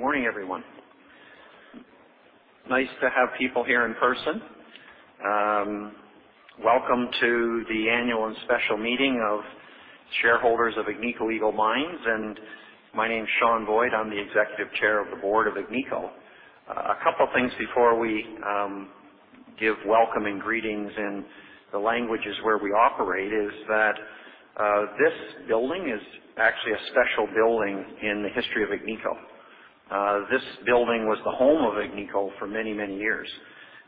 Good morning, everyone. Nice to have people here in person. Welcome to the Annual and Special Meeting of Shareholders of Agnico Eagle Mines. My name is Sean Boyd, I'm the Executive Chair of the Board of Agnico. A couple of things before we give welcome and greetings in the languages where we operate is that this building is actually a special building in the history of Agnico. This building was the home of Agnico for many, many years.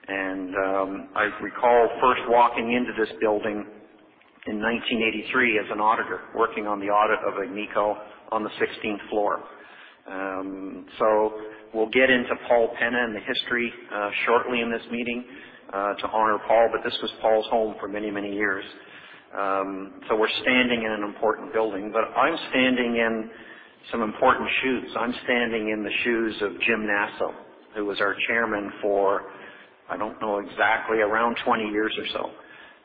I recall first walking into this building in 1983 as an auditor working on the audit of Agnico on the 16th floor. So we'll get into Paul Penna and the history shortly in this meeting to honor Paul. This was Paul's home for many, many years. So we're standing in an important building. I'm standing in some important shoes. I'm standing in the shoes of Jim Nasso, who was our Chairman for, I don't know exactly, around 20 years or so.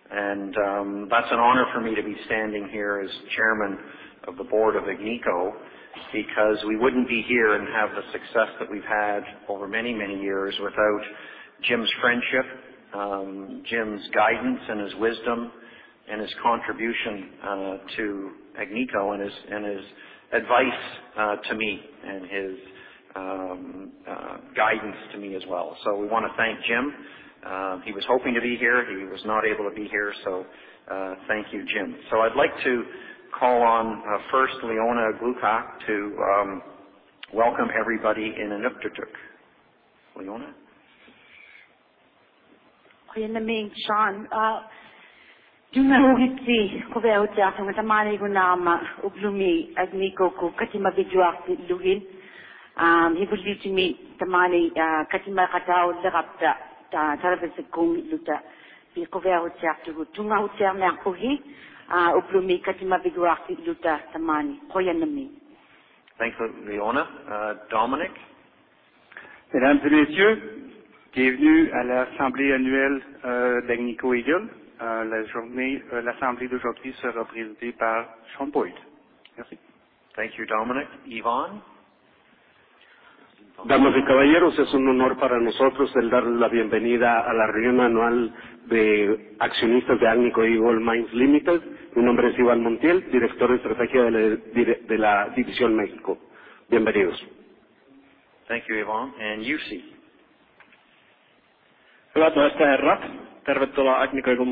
That's an honor for me to be standing here as Chairman of the board of Agnico because we wouldn't be here and have the success that we've had over many, many years without Jim's friendship, Jim's guidance and his wisdom and his contribution to Agnico and his advice to me and his guidance to me as well. We wanna thank Jim. He was hoping to be here. He was not able to be here, thank you, Jim. I'd like to call on first Leona Aglukkaq to welcome everybody in Inuktitut. Leona? Sean. Agnico TMAC. Thanks, Leona. Dominique? Sean Boyd. Merci. Thank you, Dominique. Iván? Agnico Eagle Mines Limited. Iván Montiel, Mexico. Thank you, Iván. Jussi. Sean Boyd. Thank you, Jussi.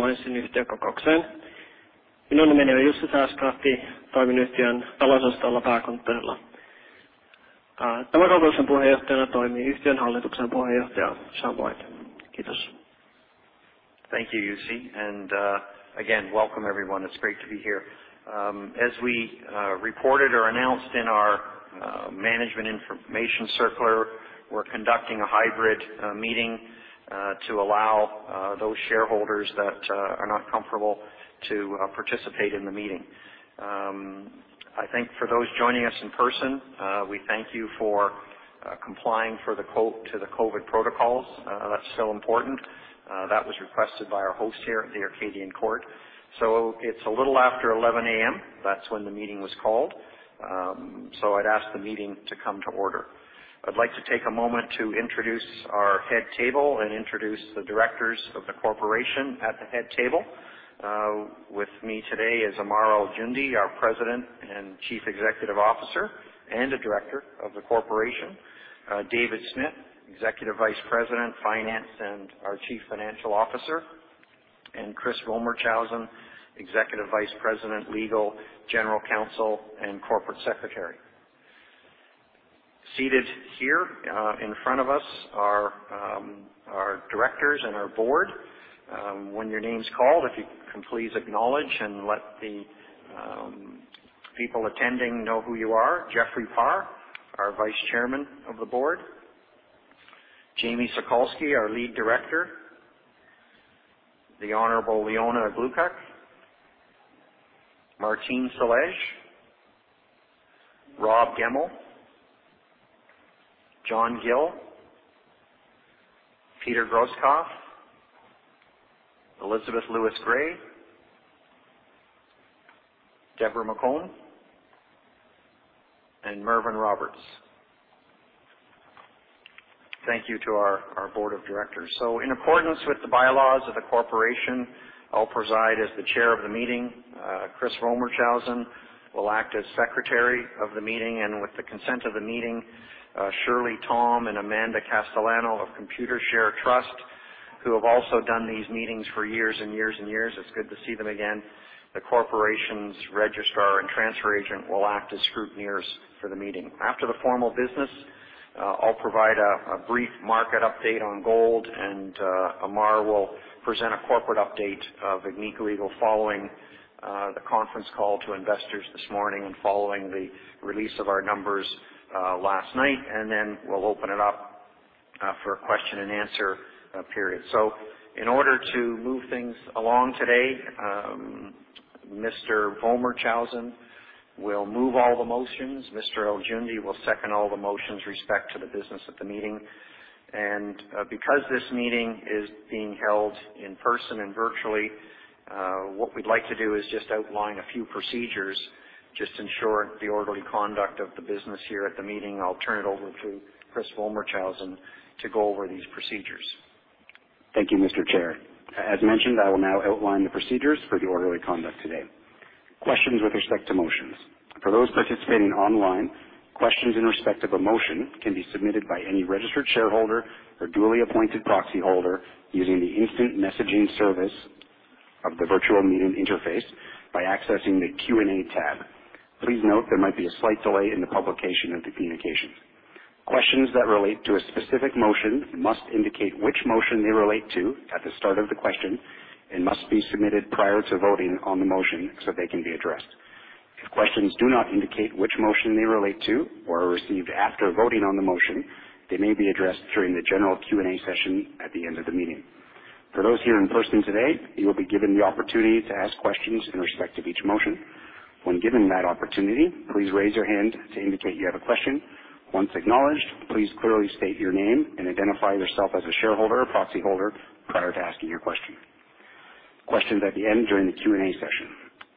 Again, welcome everyone. It's great to be here. As we reported or announced in our management information circular, we're conducting a hybrid meeting to allow those shareholders that are not comfortable to participate in the meeting. I think for those joining us in person, we thank you for complying with the COVID protocols. That's so important. That was requested by our host here at the Arcadian Court. It's a little after 11 A.M., that's when the meeting was called. I'd ask the meeting to come to order. I'd like to take a moment to introduce our head table and introduce the directors of the corporation at the head table. With me today is Ammar Al-Joundi, our President and Chief Executive Officer, and a director of the corporation. David Smith, Executive Vice President, Finance, and our Chief Financial Officer. Chris Vollmershausen, Executive Vice President, Legal, General Counsel, and Corporate Secretary. Seated here in front of us are our directors and our board. When your name's called, if you can please acknowledge and let the people attending know who you are. Jeffrey Parr, our Vice Chairman of the Board. Jamie Sokalsky, our Lead Director. The Honorable Leona Aglukkaq, Martine Celej, Robert Gemmell, Jon Gill, Peter Grosskopf, Elizabeth Lewis-Gray, Deborah McCombe and Merfyn Roberts. Thank you to our board of directors. In accordance with the bylaws of the corporation, I'll preside as the chair of the meeting. Chris Vollmershausen will act as secretary of the meeting. With the consent of the meeting, Shirley Tom and Amanda Castellano of Computershare Trust, who have also done these meetings for years and years and years. It's good to see them again. The corporation's registrar and transfer agent will act as scrutineers for the meeting. After the formal business, I'll provide a brief market update on gold, and Ammar will present a corporate update of Agnico Eagle following the conference call to investors this morning and following the release of our numbers last night. Then we'll open it up for a question and answer period. In order to move things along today, Mr. Vollmershausen will move all the motions. Mr. Ammar Al-Joundi will second all the motions respect to the business of the meeting. Because this meeting is being held in person and virtually, what we'd like to do is just outline a few procedures, just ensure the orderly conduct of the business here at the meeting. I'll turn it over to Chris Vollmershausen to go over these procedures. Thank you, Mr. Chair. As mentioned, I will now outline the procedures for the orderly conduct today. Questions with respect to motions. For those participating online, questions in respect of a motion can be submitted by any registered shareholder or duly appointed proxyholder using the instant messaging service of the virtual meeting interface by accessing the Q&A tab. Please note there might be a slight delay in the publication of the communications. Questions that relate to a specific motion must indicate which motion they relate to at the start of the question and must be submitted prior to voting on the motion so they can be addressed. If questions do not indicate which motion they relate to or are received after voting on the motion, they may be addressed during the general Q&A session at the end of the meeting. For those here in person today, you will be given the opportunity to ask questions in respect of each motion. When given that opportunity, please raise your hand to indicate you have a question. Once acknowledged, please clearly state your name and identify yourself as a shareholder or proxyholder prior to asking your question. Questions at the end during the Q&A session.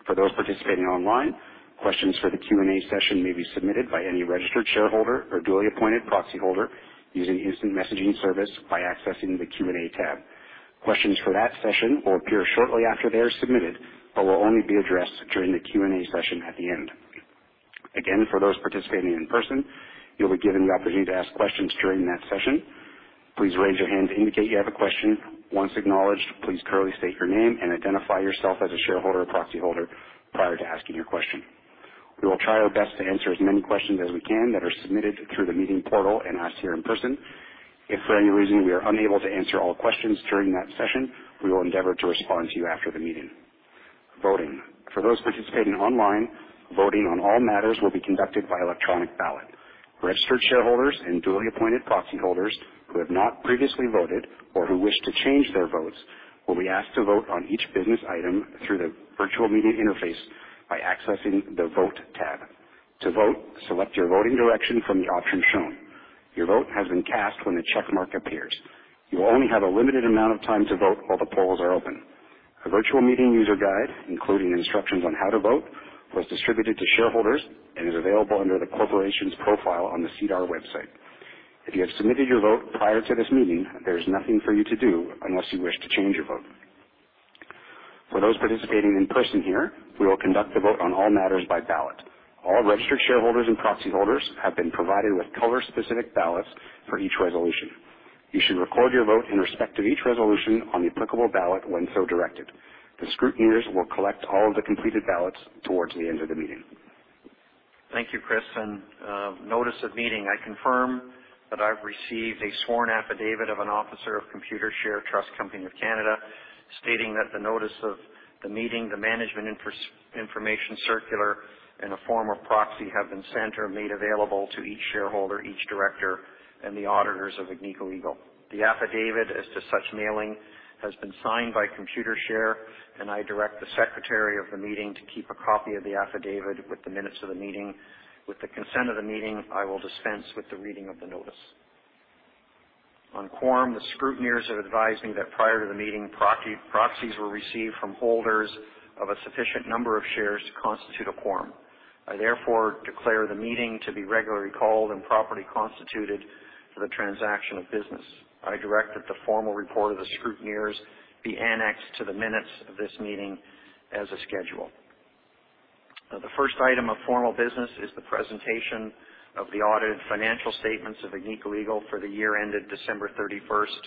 For those participating online, questions for the Q&A session may be submitted by any registered shareholder or duly appointed proxyholder using instant messaging service by accessing the Q&A tab. Questions for that session will appear shortly after they are submitted, but will only be addressed during the Q&A session at the end. Again, for those participating in person, you'll be given the opportunity to ask questions during that session. Please raise your hand to indicate you have a question. Once acknowledged, please clearly state your name and identify yourself as a shareholder or proxyholder prior to asking your question. We will try our best to answer as many questions as we can that are submitted through the meeting portal and asked here in person. If for any reason we are unable to answer all questions during that session, we will endeavor to respond to you after the meeting. Voting. For those participating online, voting on all matters will be conducted by electronic ballot. Registered shareholders and duly appointed proxyholders who have not previously voted or who wish to change their votes will be asked to vote on each business item through the virtual meeting interface by accessing the Vote tab. To vote, select your voting direction from the option shown. Your vote has been cast when the check mark appears. You only have a limited amount of time to vote while the polls are open. A virtual meeting user guide, including instructions on how to vote, was distributed to shareholders and is available under the corporation's profile on the SEDAR website. If you have submitted your vote prior to this meeting, there's nothing for you to do unless you wish to change your vote. For those participating in person here, we will conduct the vote on all matters by ballot. All registered shareholders and proxyholders have been provided with color-specific ballots for each resolution. You should record your vote in respect of each resolution on the applicable ballot when so directed. The scrutineers will collect all of the completed ballots towards the end of the meeting. Thank you, Chris. Notice of meeting. I confirm that I've received a sworn affidavit of an officer of Computershare Trust Company of Canada, stating that the notice of the meeting, the management information circular, and a form of proxy have been sent or made available to each shareholder, each director, and the auditors of Agnico Eagle. The affidavit as to such mailing has been signed by Computershare, and I direct the secretary of the meeting to keep a copy of the affidavit with the minutes of the meeting. With the consent of the meeting, I will dispense with the reading of the notice. On quorum, the scrutineers have advised me that prior to the meeting, proxies were received from holders of a sufficient number of shares to constitute a quorum. I therefore declare the meeting to be regularly called and properly constituted for the transaction of business. I direct that the formal report of the scrutineers be annexed to the minutes of this meeting as a schedule. The first item of formal business is the presentation of the audited financial statements of Agnico Eagle for the year ended December 31st,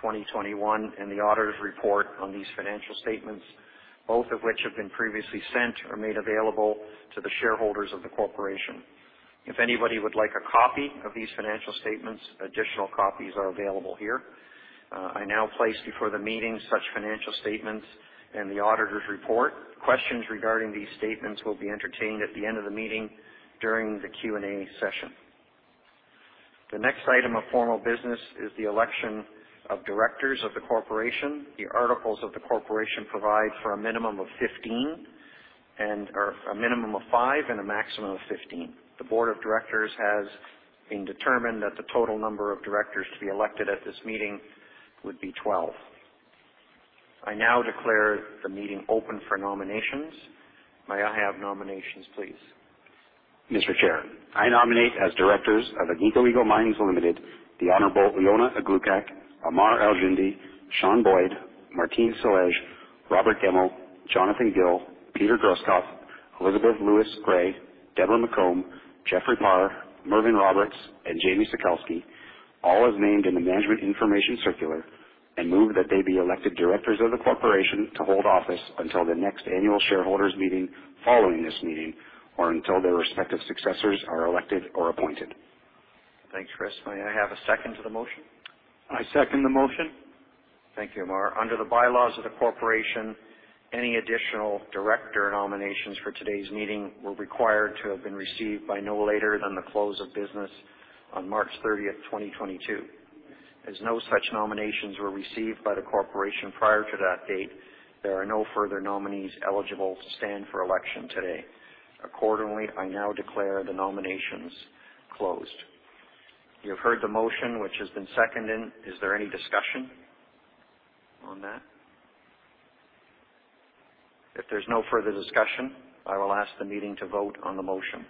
2021, and the auditor's report on these financial statements, both of which have been previously sent or made available to the shareholders of the corporation. If anybody would like a copy of these financial statements, additional copies are available here. I now place before the meeting such financial statements and the auditor's report. Questions regarding these statements will be entertained at the end of the meeting during the Q&A session. The next item of formal business is the election of directors of the corporation. The articles of the corporation provide for a minimum of 15, or a minimum of five and a maximum of 15. The board of directors has determined that the total number of directors to be elected at this meeting would be 12. I now declare the meeting open for nominations. May I have nominations, please? Mr. Chair, I nominate as directors of Agnico Eagle Mines Limited, the Honorable Leona Aglukkaq, Ammar Al-Joundi, Sean Boyd, Martine Celej, Robert Gemmell, Jonathan Gill, Peter Grosskopf, Elizabeth Lewis-Gray, Deborah McCombe, Jeffrey Parr, Merfyn Roberts, and Jamie Sokalsky, all as named in the Management Information Circular, and move that they be elected directors of the corporation to hold office until the next annual shareholders' meeting following this meeting or until their respective successors are elected or appointed. Thanks, Chris. May I have a second to the motion? I second the motion. Thank you, Ammar. Under the bylaws of the corporation, any additional director nominations for today's meeting were required to have been received by no later than the close of business on March 13th, 2022. As no such nominations were received by the corporation prior to that date, there are no further nominees eligible to stand for election today. Accordingly, I now declare the nominations closed. You have heard the motion, which has been seconded. Is there any discussion on that? If there's no further discussion, I will ask the meeting to vote on the motion.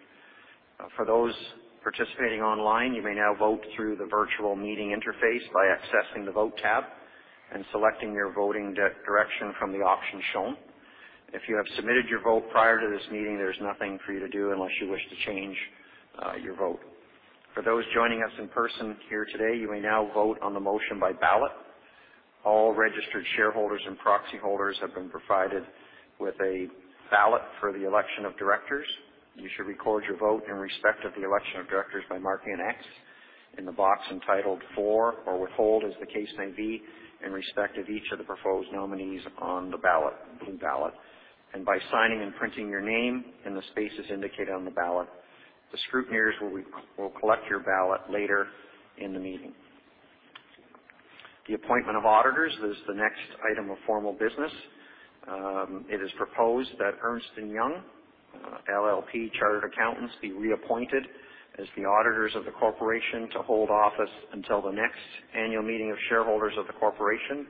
For those participating online, you may now vote through the virtual meeting interface by accessing the Vote tab and selecting your voting direction from the options shown. If you have submitted your vote prior to this meeting, there's nothing for you to do unless you wish to change your vote. For those joining us in person here today, you may now vote on the motion by ballot. All registered shareholders and proxy holders have been provided with a ballot for the election of directors. You should record your vote in respect of the election of directors by marking an X in the box entitled For or Withhold, as the case may be, in respect of each of the proposed nominees on the ballot, and by signing and printing your name in the spaces indicated on the ballot. The scrutineers will collect your ballot later in the meeting. The appointment of auditors is the next item of formal business. It is proposed that Ernst & Young LLP chartered accountants be reappointed as the auditors of the corporation to hold office until the next annual meeting of shareholders of the corporation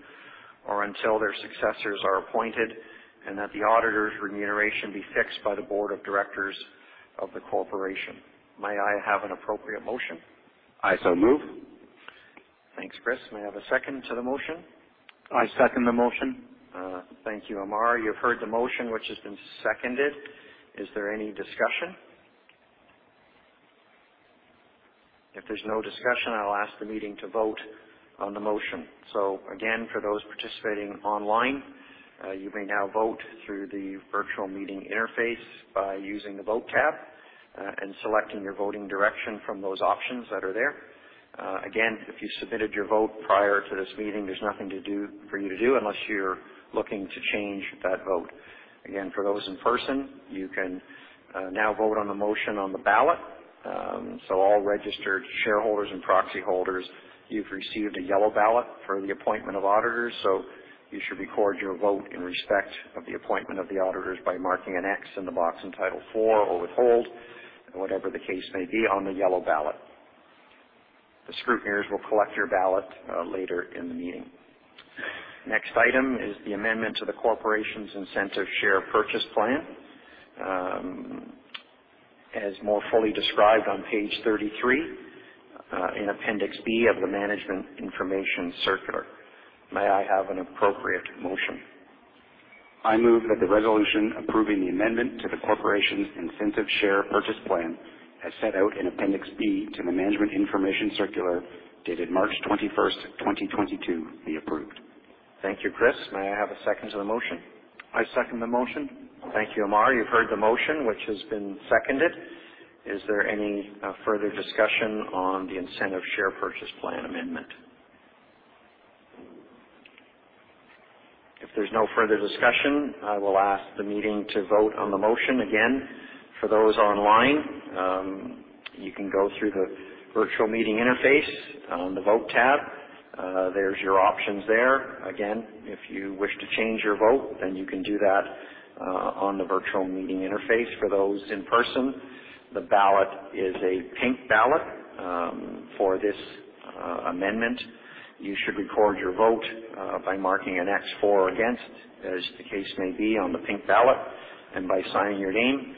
or until their successors are appointed, and that the auditors' remuneration be fixed by the board of directors of the corporation. May I have an appropriate motion? I so move. Thanks, Chris. May I have a second to the motion? I second the motion. Thank you, Ammar. You've heard the motion, which has been seconded. Is there any discussion? If there's no discussion, I'll ask the meeting to vote on the motion. Again, for those participating online, you may now vote through the virtual meeting interface by using the Vote tab and selecting your voting direction from those options that are there. Again, if you submitted your vote prior to this meeting, there's nothing for you to do unless you're looking to change that vote. Again, for those in person, you can now vote on the motion on the ballot. All registered shareholders and proxy holders, you've received a yellow ballot for the appointment of auditors, so you should record your vote in respect of the appointment of the auditors by marking an X in the box entitled For or Withhold, and whatever the case may be on the yellow ballot. The scrutineers will collect your ballot later in the meeting. Next item is the amendment to the corporation's Incentive Share Purchase Plan as more fully described on page 33 in Appendix B of the Management Information Circular. May I have an appropriate motion? I move that the resolution approving the amendment to the corporation's Incentive Share Purchase Plan, as set out in Appendix B to the Management Information Circular, dated March 21st, 2022, be approved. Thank you, Chris. May I have a second to the motion? I second the motion. Thank you, Ammar. You've heard the motion, which has been seconded. Is there any further discussion on the Incentive Share Purchase Plan amendment? If there's no further discussion, I will ask the meeting to vote on the motion. Again, for those online, you can go through the virtual meeting interface on the Vote tab. There's your options there. Again, if you wish to change your vote, then you can do that on the virtual meeting interface. For those in person, the ballot is a pink ballot for this amendment. You should record your vote by marking an X, For or Against, as the case may be on the pink ballot, and by signing your name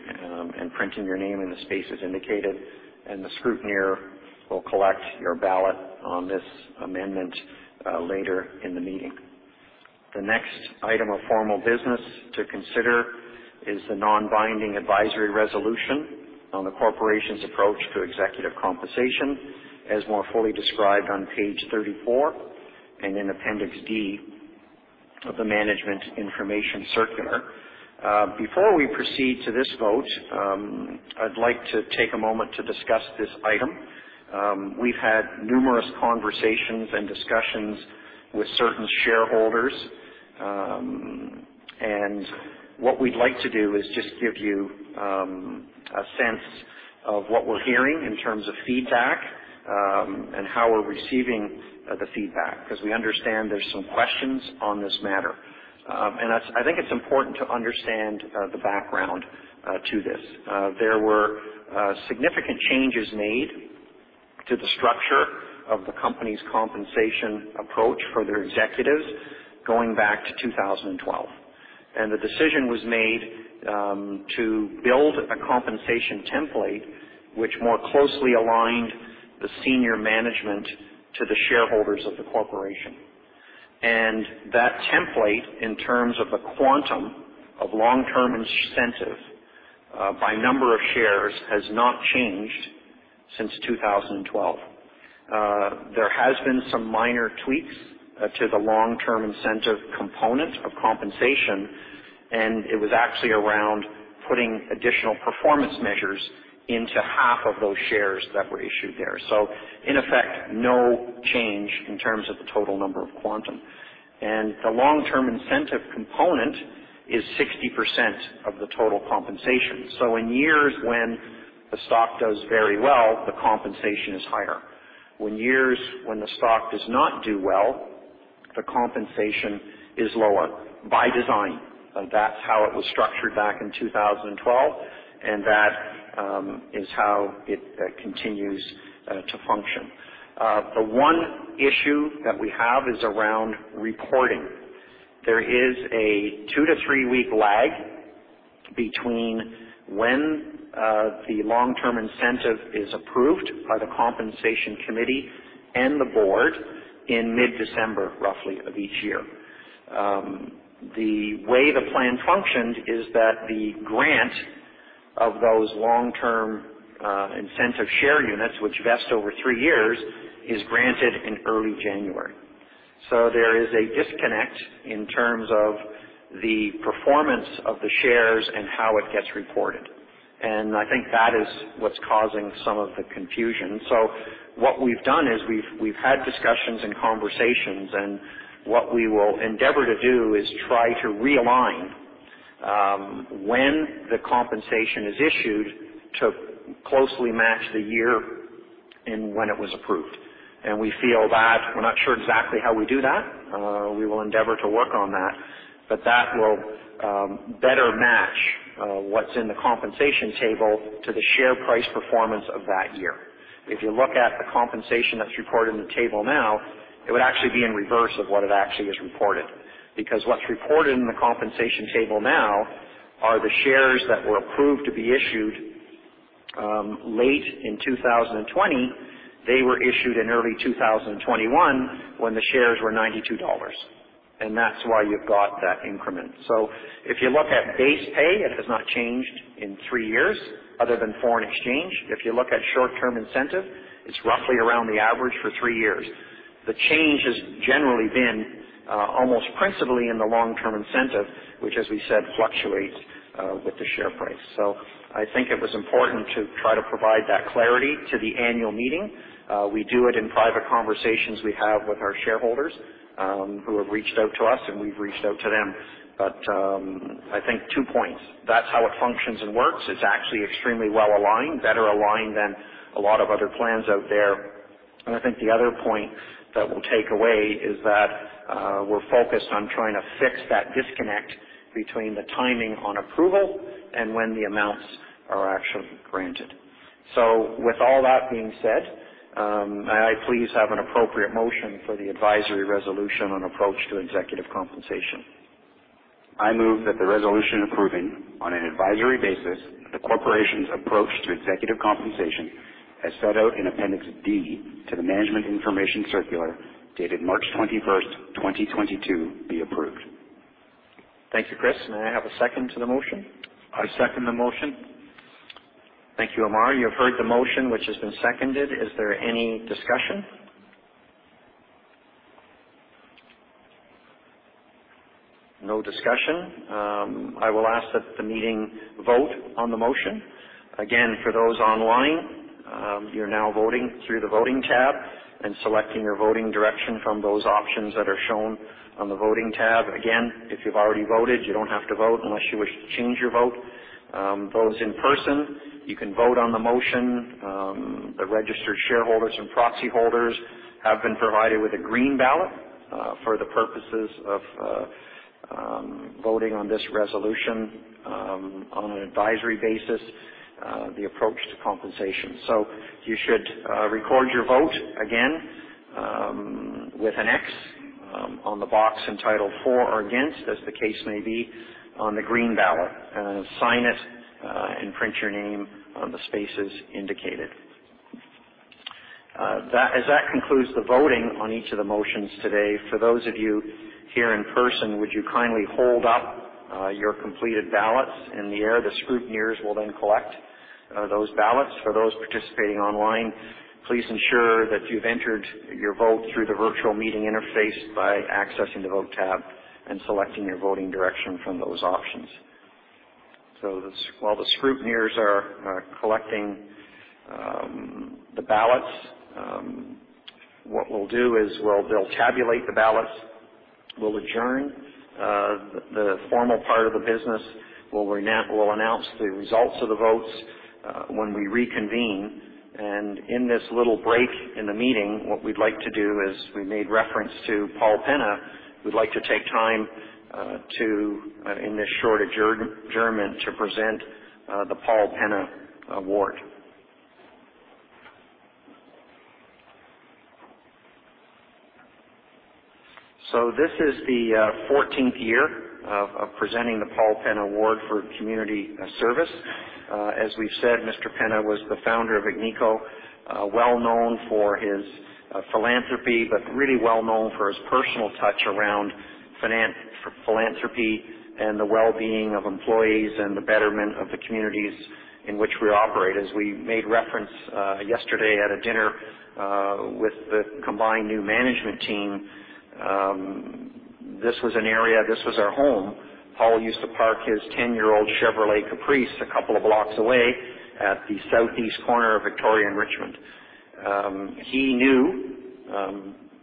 and printing your name in the spaces indicated, and the scrutineer will collect your ballot on this amendment later in the meeting. The next item of formal business to consider is the non-binding advisory resolution on the corporation's approach to executive compensation, as more fully described on page 34 and in Appendix D of the Management Information Circular. Before we proceed to this vote, I'd like to take a moment to discuss this item. We've had numerous conversations and discussions with certain shareholders, and what we'd like to do is just give you a sense of what we're hearing in terms of feedback, and how we're receiving the feedback, because we understand there's some questions on this matter. That's. I think it's important to understand the background to this. There were significant changes made to the structure of the company's compensation approach for their executives going back to 2012. The decision was made to build a compensation template which more closely aligned the senior management to the shareholders of the corporation. That template, in terms of the quantum of long-term incentive, by number of shares, has not changed since 2012. There has been some minor tweaks to the long-term incentive component of compensation, and it was actually around putting additional performance measures into half of those shares that were issued there. In effect, no change in terms of the total number of quantum. The long-term incentive component is 60% of the total compensation. In years when the stock does very well, the compensation is higher. In years when the stock does not do well, the compensation is lower by design. That's how it was structured back in 2012, and that is how it continues to function. The one issue that we have is around reporting. There is a 2-3-week lag between when the long-term incentive is approved by the compensation committee and the board in mid-December, roughly, of each year. The way the plan functions is that the grant of those long-term incentive share units, which vest over 3 years, is granted in early January. There is a disconnect in terms of the performance of the shares and how it gets reported. I think that is what's causing some of the confusion. What we've done is we've had discussions and conversations, and what we will endeavor to do is try to realign when the compensation is issued to closely match the year and when it was approved. We feel that we're not sure exactly how we do that. We will endeavor to work on that. That will better match what's in the compensation table to the share price performance of that year. If you look at the compensation that's reported in the table now, it would actually be in reverse of what it actually is reported. Because what's reported in the compensation table now are the shares that were approved to be issued late in 2020. They were issued in early 2021 when the shares were $92, and that's why you've got that increment. If you look at base pay, it has not changed in 3 years other than foreign exchange. If you look at short-term incentive, it's roughly around the average for3 years. The change has generally been almost principally in the long-term incentive, which, as we said, fluctuates with the share price. I think it was important to try to provide that clarity to the annual meeting. We do it in private conversations we have with our shareholders, who have reached out to us, and we've reached out to them. I think two points. That's how it functions and works. It's actually extremely well-aligned, better aligned than a lot of other plans out there. I think the other point that we'll take away is that, we're focused on trying to fix that disconnect between the timing on approval and when the amounts are actually granted. With all that being said, may I please have an appropriate motion for the advisory resolution on approach to executive compensation. I move that the resolution approving, on an advisory basis, the corporation's approach to executive compensation, as set out in Appendix D to the Management Information Circular, dated March 21st, 2022, be approved. Thank you, Chris. May I have a second to the motion? I second the motion. Thank you, Ammar. You have heard the motion, which has been seconded. Is there any discussion? No discussion. I will ask that the meeting vote on the motion. Again, for those online, you're now voting through the Voting tab and selecting your voting direction from those options that are shown on the Voting tab. Again, if you've already voted, you don't have to vote unless you wish to change your vote. Those in person, you can vote on the motion. The registered shareholders and proxy holders have been provided with a green ballot for the purposes of voting on this resolution on an advisory basis, the approach to compensation. You should record your vote again with an X on the box entitled For or Against, as the case may be, on the green ballot. Sign it, and print your name on the spaces indicated. As that concludes the voting on each of the motions today, for those of you here in person, would you kindly hold up your completed ballots in the air? The scrutineers will then collect those ballots. For those participating online, please ensure that you've entered your vote through the virtual meeting interface by accessing the Vote tab and selecting your voting direction from those options. While the scrutineers are collecting the ballots, what we'll do is they'll tabulate the ballots. We'll adjourn the formal part of the business. We'll announce the results of the votes when we reconvene. In this little break in the meeting, what we'd like to do is we made reference to Paul Penna. We'd like to take time to in this short adjournment to present the Paul Penna Award. This is the fourteenth year of presenting the Paul Penna Award for community service. As we've said, Mr. Penna was the founder of Agnico, well known for his philanthropy, but really well known for his personal touch around philanthropy and the well-being of employees and the betterment of the communities in which we operate. As we made reference yesterday at a dinner with the combined new management team, this was an area, this was our home. Paul used to park his 10-year-old Chevrolet Caprice a couple of blocks away at the southeast corner of Victoria and Richmond. He knew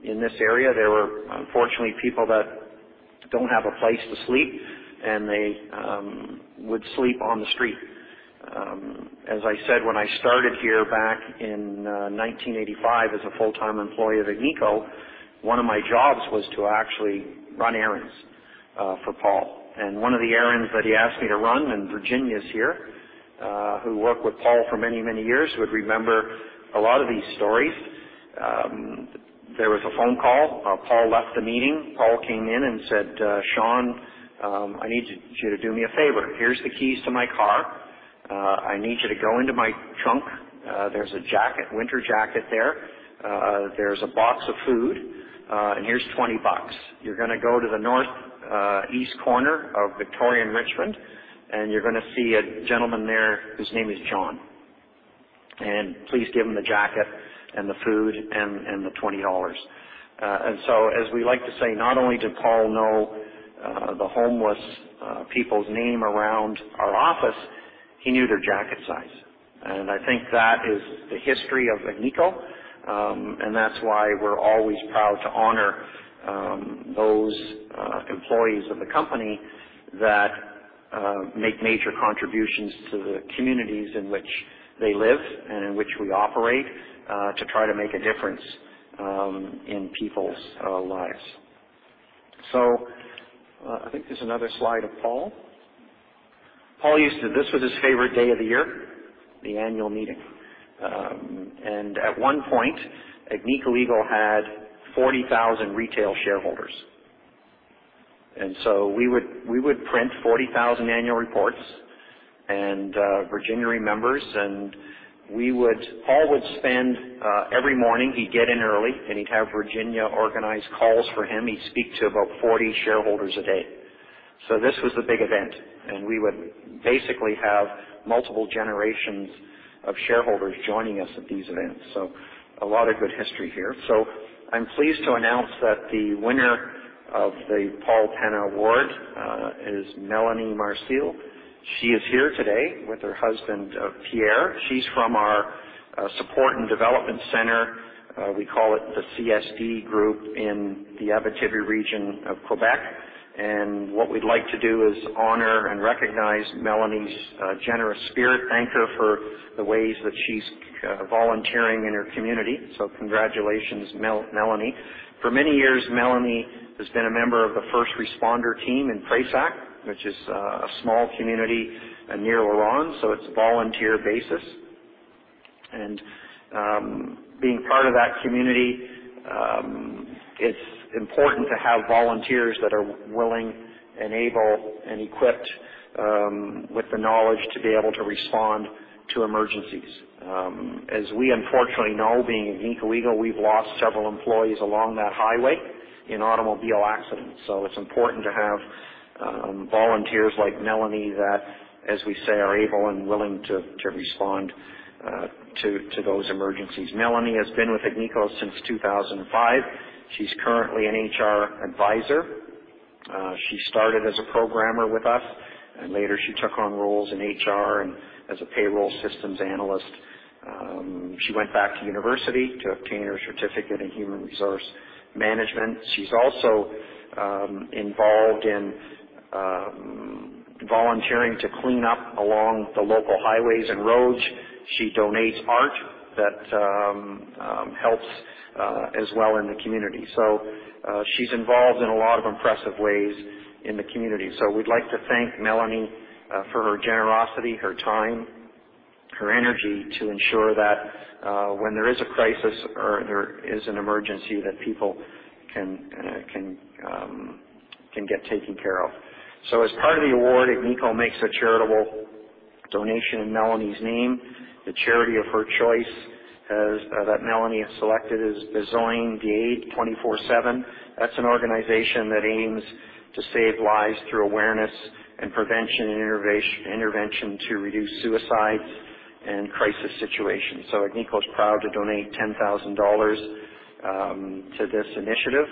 in this area there were unfortunately people that don't have a place to sleep, and they would sleep on the street. As I said, when I started here back in 1985 as a full-time employee of Agnico, one of my jobs was to actually run errands for Paul. One of the errands that he asked me to run, and Virginia's here, who worked with Paul for many, many years, would remember a lot of these stories. There was a phone call. Paul left the meeting. Paul came in and said, "Sean, I need you to do me a favor. Here's the keys to my car. I need you to go into my trunk. There's a jacket, winter jacket there. There's a box of food, and here's $20. You're gonna go to the north, east corner of Victoria and Richmond, and you're gonna see a gentleman there. His name is John. Please give him the jacket and the food and the $20." As we like to say, not only did Paul know the homeless people's name around our office, he knew their jacket size. I think that is the history of Agnico. That's why we're always proud to honor those employees of the company that make major contributions to the communities in which they live and in which we operate to try to make a difference in people's lives. I think there's another slide of Paul. This was his favorite day of the year, the annual meeting. At one point, Agnico Eagle had 40,000 retail shareholders. We would print 40,000 annual reports. Virginia remembers, Paul would spend every morning. He'd get in early, and he'd have Virginia organize calls for him. He'd speak to about 40 shareholders a day. This was a big event, and we would basically have multiple generations of shareholders joining us at these events. A lot of good history here. I'm pleased to announce that the winner of the Paul Penna Award is Mélanie Marcil. She is here today with her husband Pierre. She's from our Support and Development Center, we call it the CSD group in the Abitibi region of Quebec. What we'd like to do is honor and recognize Mélanie's generous spirit, thank her for the ways that she's volunteering in her community. Congratulations, Mélanie. For many years, Mélanie has been a member of the first responder team in Presque Isle, which is a small community near La Ronge. It's a volunteer basis. Being part of that community, it's important to have volunteers that are willing and able and equipped with the knowledge to be able to respond to emergencies. As we unfortunately know, being Agnico Eagle, we've lost several employees along that highway in automobile accidents. It's important to have volunteers like Mélanie that, as we say, are able and willing to respond to those emergencies. Mélanie has been with Agnico since 2005. She's currently an HR advisor. She started as a programmer with us, and later she took on roles in HR and as a payroll systems analyst. She went back to university to obtain her certificate in Human Resource Management. She's also involved in volunteering to clean up along the local highways and roads. She donates art that helps as well in the community. She's involved in a lot of impressive ways in the community. We'd like to thank Mélanie for her generosity, her time, her energy to ensure that when there is a crisis or there is an emergency that people can get taken care of. As part of the award, Agnico makes a charitable donation in Mélanie's name. The charity of her choice that Mélanie has selected is Besoin d'Aide vingt-quatre heures sur vingt-quatre. That's an organization that aims to save lives through awareness and prevention and intervention to reduce suicides and crisis situations. Agnico is proud to donate $10,000 to this initiative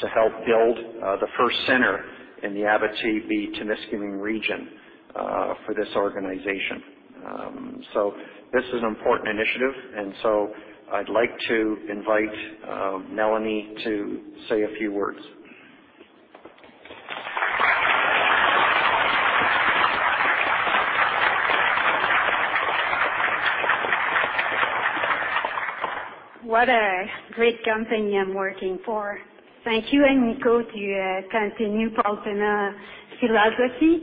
to help build the first center in the Abitibi-Témiscamingue region for this organization. This is an important initiative, and so I'd like to invite Mélanie to say a few words. What a great company I'm working for. Thank you, Agnico, to continue Paul Penna philosophy.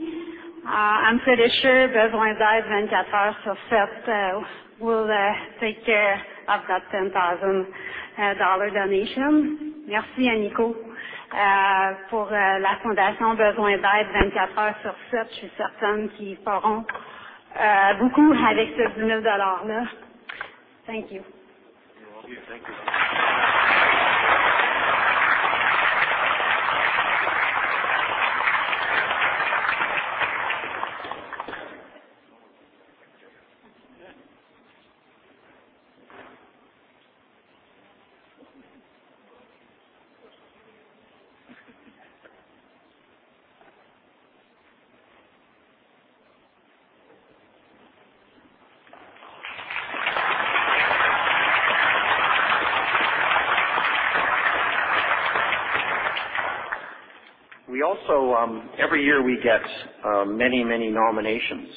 I'm pretty sure Besoin d'Aide vingt-quatre heures sur vingt-quatre will take care of that $10,000 dollar donation. Merci, Agnico. Pour la fondation Besoin d'Aide vingt-quatre heures sur vingt-quatre. Je suis certaine qu'ils feront beaucoup avec ce $10,000 dollars-là. Thank you. You're welcome. Thank you. We also. Every year, we get many nominations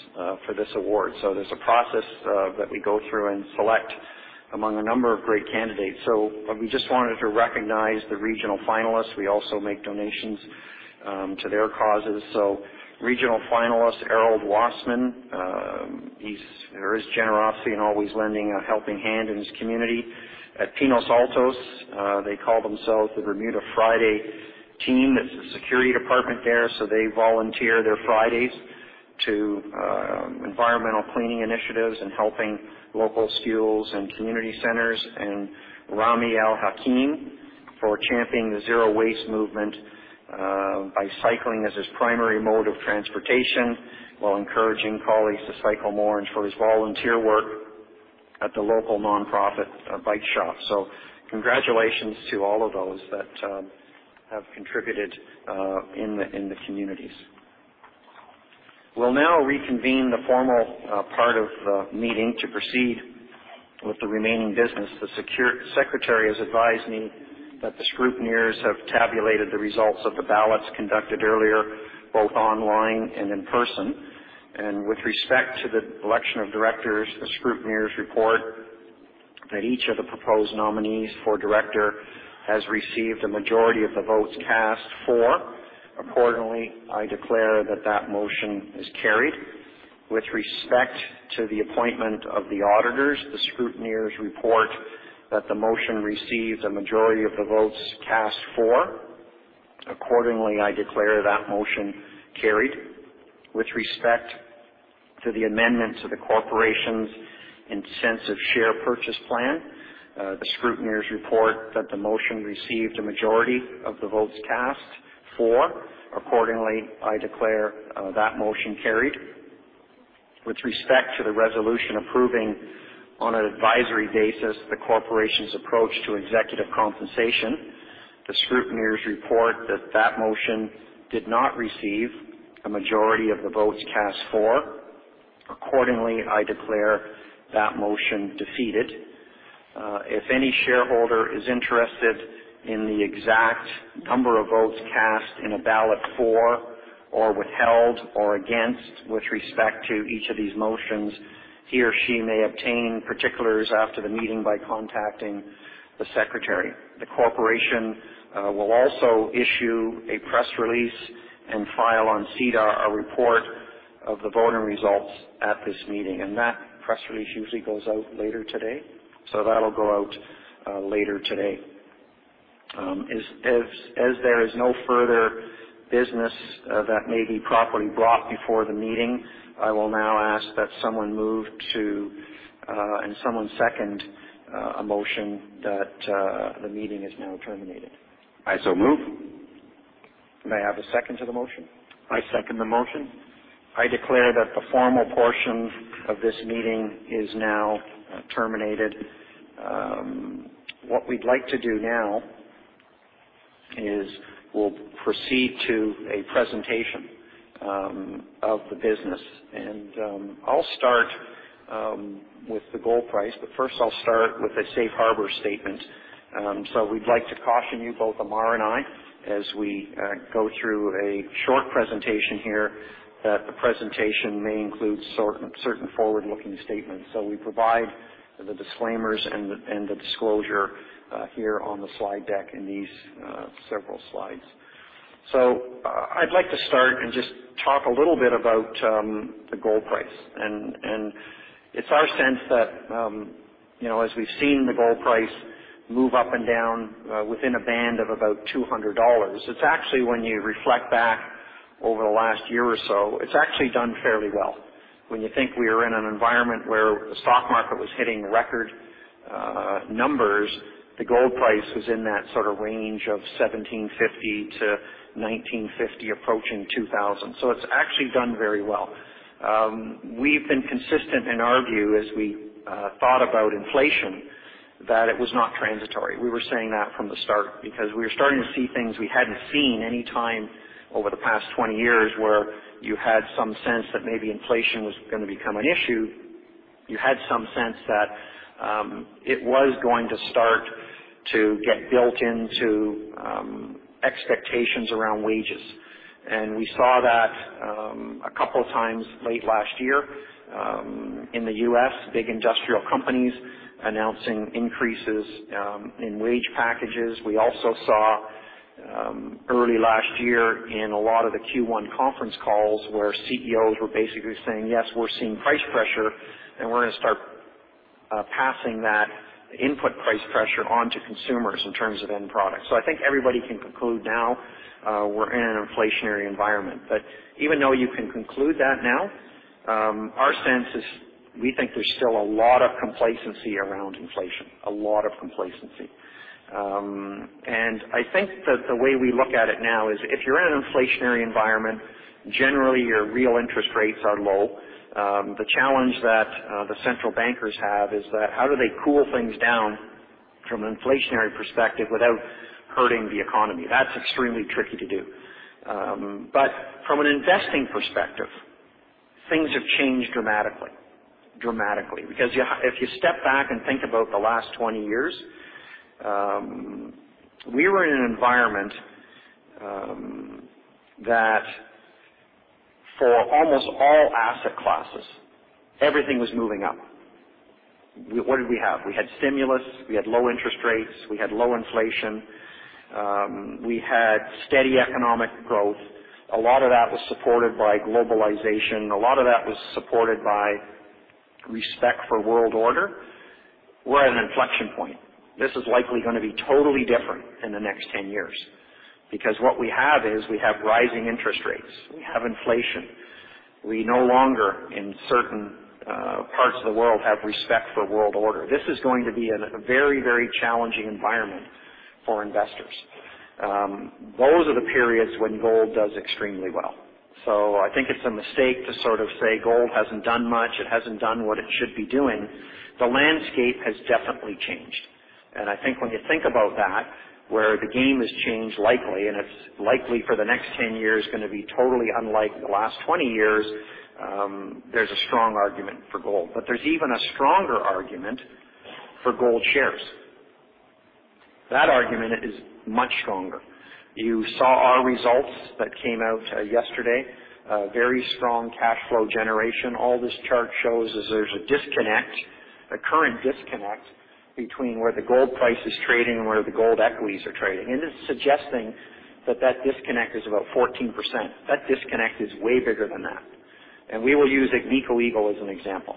for this award. There's a process that we go through and select among a number of great candidates. What we just wanted to recognize the regional finalists. We also make donations to their causes. Regional finalist, Harold Wasserman. There is generosity in always lending a helping hand in his community. At Pinos Altos, they call themselves the Bermuda Friday team. That's the security department there. They volunteer their Fridays to environmental cleaning initiatives and helping local schools and community centers. Rami Al Hakim for championing the zero-waste movement by cycling as his primary mode of transportation while encouraging colleagues to cycle more, and for his volunteer work at the local nonprofit bike shop. Congratulations to all of those that have contributed in the communities. We'll now reconvene the formal part of the meeting to proceed with the remaining business. The secretary has advised me that the scrutineers have tabulated the results of the ballots conducted earlier, both online and in person. With respect to the election of directors, the scrutineers report that each of the proposed nominees for director has received a majority of the votes cast for. Accordingly, I declare that motion is carried. With respect to the appointment of the auditors, the scrutineers report that the motion received a majority of the votes cast for. Accordingly, I declare that motion carried. With respect to the amendments of the corporation's Incentive Share Purchase Plan, the scrutineers report that the motion received a majority of the votes cast for. Accordingly, I declare that motion carried. With respect to the resolution approving, on an advisory basis, the corporation's approach to executive compensation, the scrutineers report that that motion did not receive a majority of the votes cast for. Accordingly, I declare that motion defeated. If any shareholder is interested in the exact number of votes cast in a ballot for or withheld or against with respect to each of these motions, he or she may obtain particulars after the meeting by contacting the secretary. The corporation will also issue a press release and file on SEDAR a report of the voting results at this meeting, and that press release usually goes out later today. That'll go out later today. As there is no further business that may be properly brought before the meeting, I will now ask that someone move and someone second a motion that the meeting is now terminated. I so move. May I have a second to the motion? I second the motion. I declare that the formal portion of this meeting is now terminated. What we'd like to do now is we'll proceed to a presentation of the business. I'll start with the gold price, but first I'll start with a safe harbor statement. We'd like to caution you, both Ammar and I, as we go through a short presentation here, that the presentation may include certain forward-looking statements. We provide the disclaimers and the disclosure here on the slide deck in these several slides. I'd like to start and just talk a little bit about the gold price. It's our sense that, you know, as we've seen the gold price move up and down, within a band of about $200, it's actually, when you reflect back over the last year or so, it's actually done fairly well. When you think we are in an environment where the stock market was hitting record numbers, the gold price was in that sort of range of $1,750-$1,950, approaching $2,000. It's actually done very well. We've been consistent in our view as we thought about inflation, that it was not transitory. We were saying that from the start because we were starting to see things we hadn't seen any time over the past 20 years, where you had some sense that maybe inflation was gonna become an issue. You had some sense that it was going to start to get built into expectations around wages. We saw that a couple of times late last year in the U.S., big industrial companies announcing increases in wage packages. We also saw early last year in a lot of the Q1 conference calls where CEOs were basically saying, "Yes, we're seeing price pressure, and we're gonna start passing that input price pressure on to consumers in terms of end products." I think everybody can conclude now we're in an inflationary environment. Even though you can conclude that now, our sense is we think there's still a lot of complacency around inflation, a lot of complacency. I think that the way we look at it now is if you're in an inflationary environment, generally, your real interest rates are low. The challenge that the central bankers have is that, how do they cool things down from an inflationary perspective without hurting the economy? That's extremely tricky to do. From an investing perspective, things have changed dramatically. Because you have. If you step back and think about the last 20 years, we were in an environment that for almost all asset classes, everything was moving up. What did we have? We had stimulus, we had low interest rates, we had low inflation, we had steady economic growth. A lot of that was supported by globalization. A lot of that was supported by respect for world order. We're at an inflection point. This is likely gonna be totally different in the next 10 years because what we have is rising interest rates. We have inflation. We no longer, in certain parts of the world, have respect for world order. This is going to be a very, very challenging environment for investors. Those are the periods when gold does extremely well. I think it's a mistake to sort of say gold hasn't done much, it hasn't done what it should be doing. The landscape has definitely changed. I think when you think about that, where the game has changed likely, and it's likely for the next 10 years gonna be totally unlike the last 20 years, there's a strong argument for gold. There's even a stronger argument for gold shares. That argument is much stronger. You saw our results that came out yesterday, a very strong cash flow generation. All this chart shows is there's a disconnect, a current disconnect between where the gold price is trading and where the gold equities are trading. It's suggesting that that disconnect is about 14%. That disconnect is way bigger than that. We will use Agnico Eagle as an example.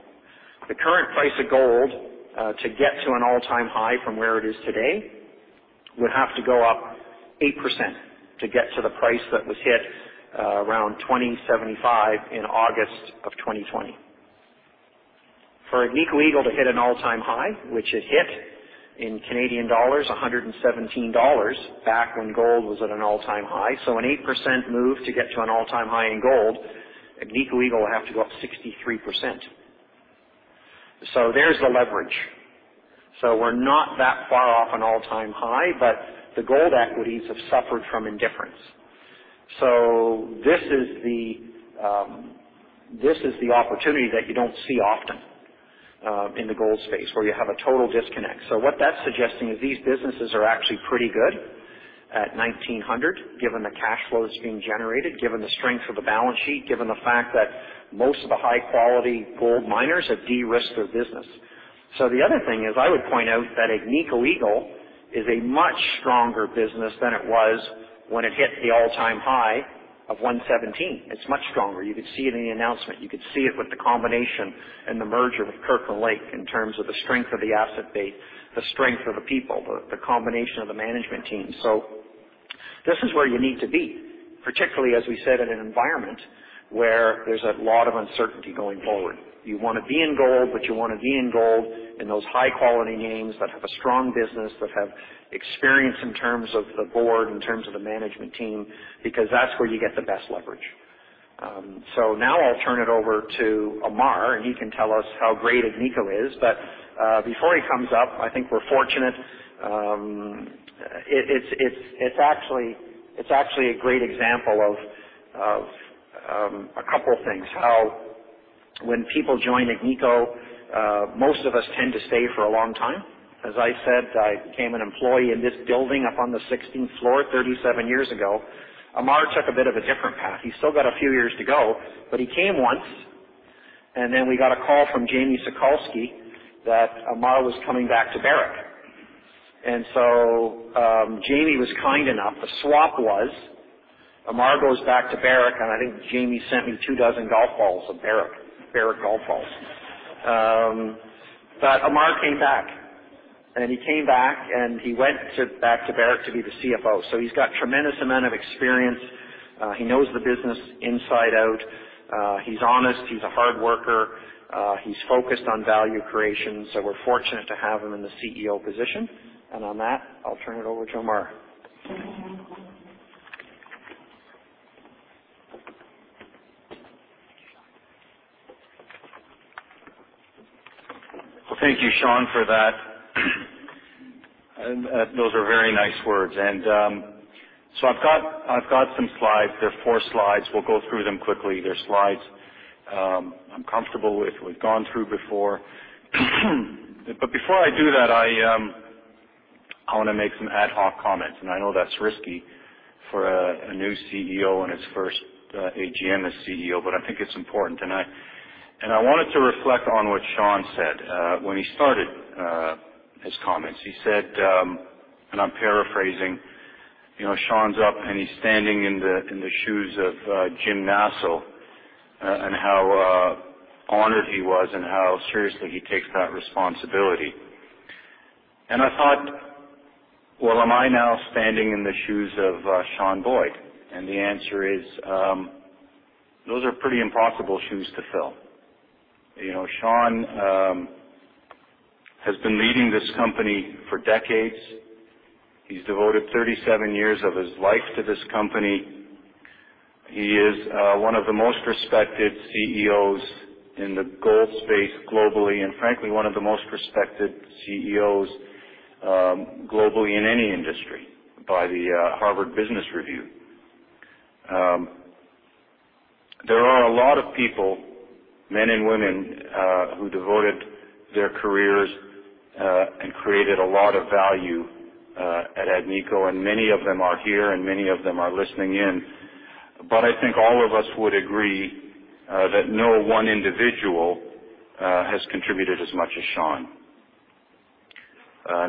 The current price of gold, to get to an all-time high from where it is today, would have to go up 8% to get to the price that was hit, around $2,075 in August of 2020. For Agnico Eagle to hit an all-time high, which it hit in Canadian dollars 117 back when gold was at an all-time high. An 8% move to get to an all-time high in gold, Agnico Eagle will have to go up 63%. There's the leverage. We're not that far off an all-time high, but the gold equities have suffered from indifference. This is the opportunity that you don't see often in the gold space, where you have a total disconnect. What that's suggesting is these businesses are actually pretty good at $1,900, given the cash flow that's being generated, given the strength of the balance sheet, given the fact that most of the high-quality gold miners have de-risked their business. The other thing is, I would point out that Agnico Eagle is a much stronger business than it was when it hit the all-time high of 117. It's much stronger. You could see it in the announcement. You could see it with the combination and the merger with Kirkland Lake in terms of the strength of the asset base, the strength of the people, the combination of the management team. This is where you need to be, particularly, as we said, in an environment where there's a lot of uncertainty going forward. You wanna be in gold, but you wanna be in gold in those high-quality names that have a strong business, that have experience in terms of the board, in terms of the management team, because that's where you get the best leverage. Now I'll turn it over to Ammar, and he can tell us how great Agnico is. Before he comes up, I think we're fortunate. It's actually a great example of a couple of things. Now when people join Agnico, most of us tend to stay for a long time. As I said, I became an employee in this building up on the 16th floor 37 years ago. Ammar took a bit of a different path. He's still got a few years to go, but he came once, and then we got a call from Jamie Sokalsky that Ammar was coming back to Barrick. Jamie was kind enough. The swap was, Ammar goes back to Barrick, and I think Jamie sent me two dozen golf balls of Barrick golf balls. Ammar came back, and he came back, and he went back to Barrick to be the CFO. He's got tremendous amount of experience. He knows the business inside out. He's honest. He's a hard worker. He's focused on value creation, so we're fortunate to have him in the CEO position. On that, I'll turn it over to Ammar. Well, thank you, Sean, for that. Those are very nice words. I've got some slides. There are 4 slides. We'll go through them quickly. They're slides I'm comfortable with, we've gone through before. Before I do that, I wanna make some ad hoc comments. I know that's risky for a new CEO on his first AGM as CEO, but I think it's important. I wanted to reflect on what Sean said when he started his comments. He said, I'm paraphrasing, you know, Sean's up, and he's standing in the shoes of Jim Nasso, and how honored he was and how seriously he takes that responsibility. I thought, well, am I now standing in the shoes of Sean Boyd? The answer is, those are pretty impossible shoes to fill. You know, Sean has been leading this company for decades. He's devoted 37 years of his life to this company. He is, one of the most respected CEOs in the gold space globally, and frankly, one of the most respected CEOs, globally in any industry by the, Harvard Business Review. There are a lot of people, men and women, who devoted their careers, and created a lot of value, at Agnico, and many of them are here and many of them are listening in. I think all of us would agree, that no one individual, has contributed as much as Sean.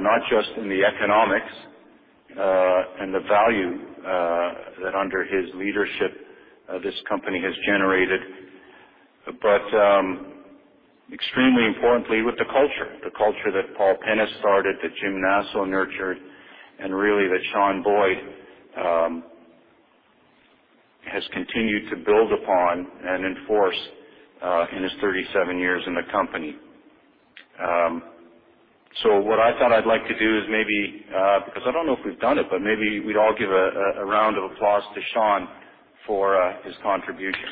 Not just in the economics, and the value, that under his leadership, this company has generated, but, extremely importantly, with the culture. The culture that Paul Penna started, that Jim Nasso nurtured, and really, that Sean Boyd has continued to build upon and enforce in his 37 years in the company. What I thought I'd like to do is maybe because I don't know if we've done it, but maybe we'd all give a round of applause to Sean for his contribution.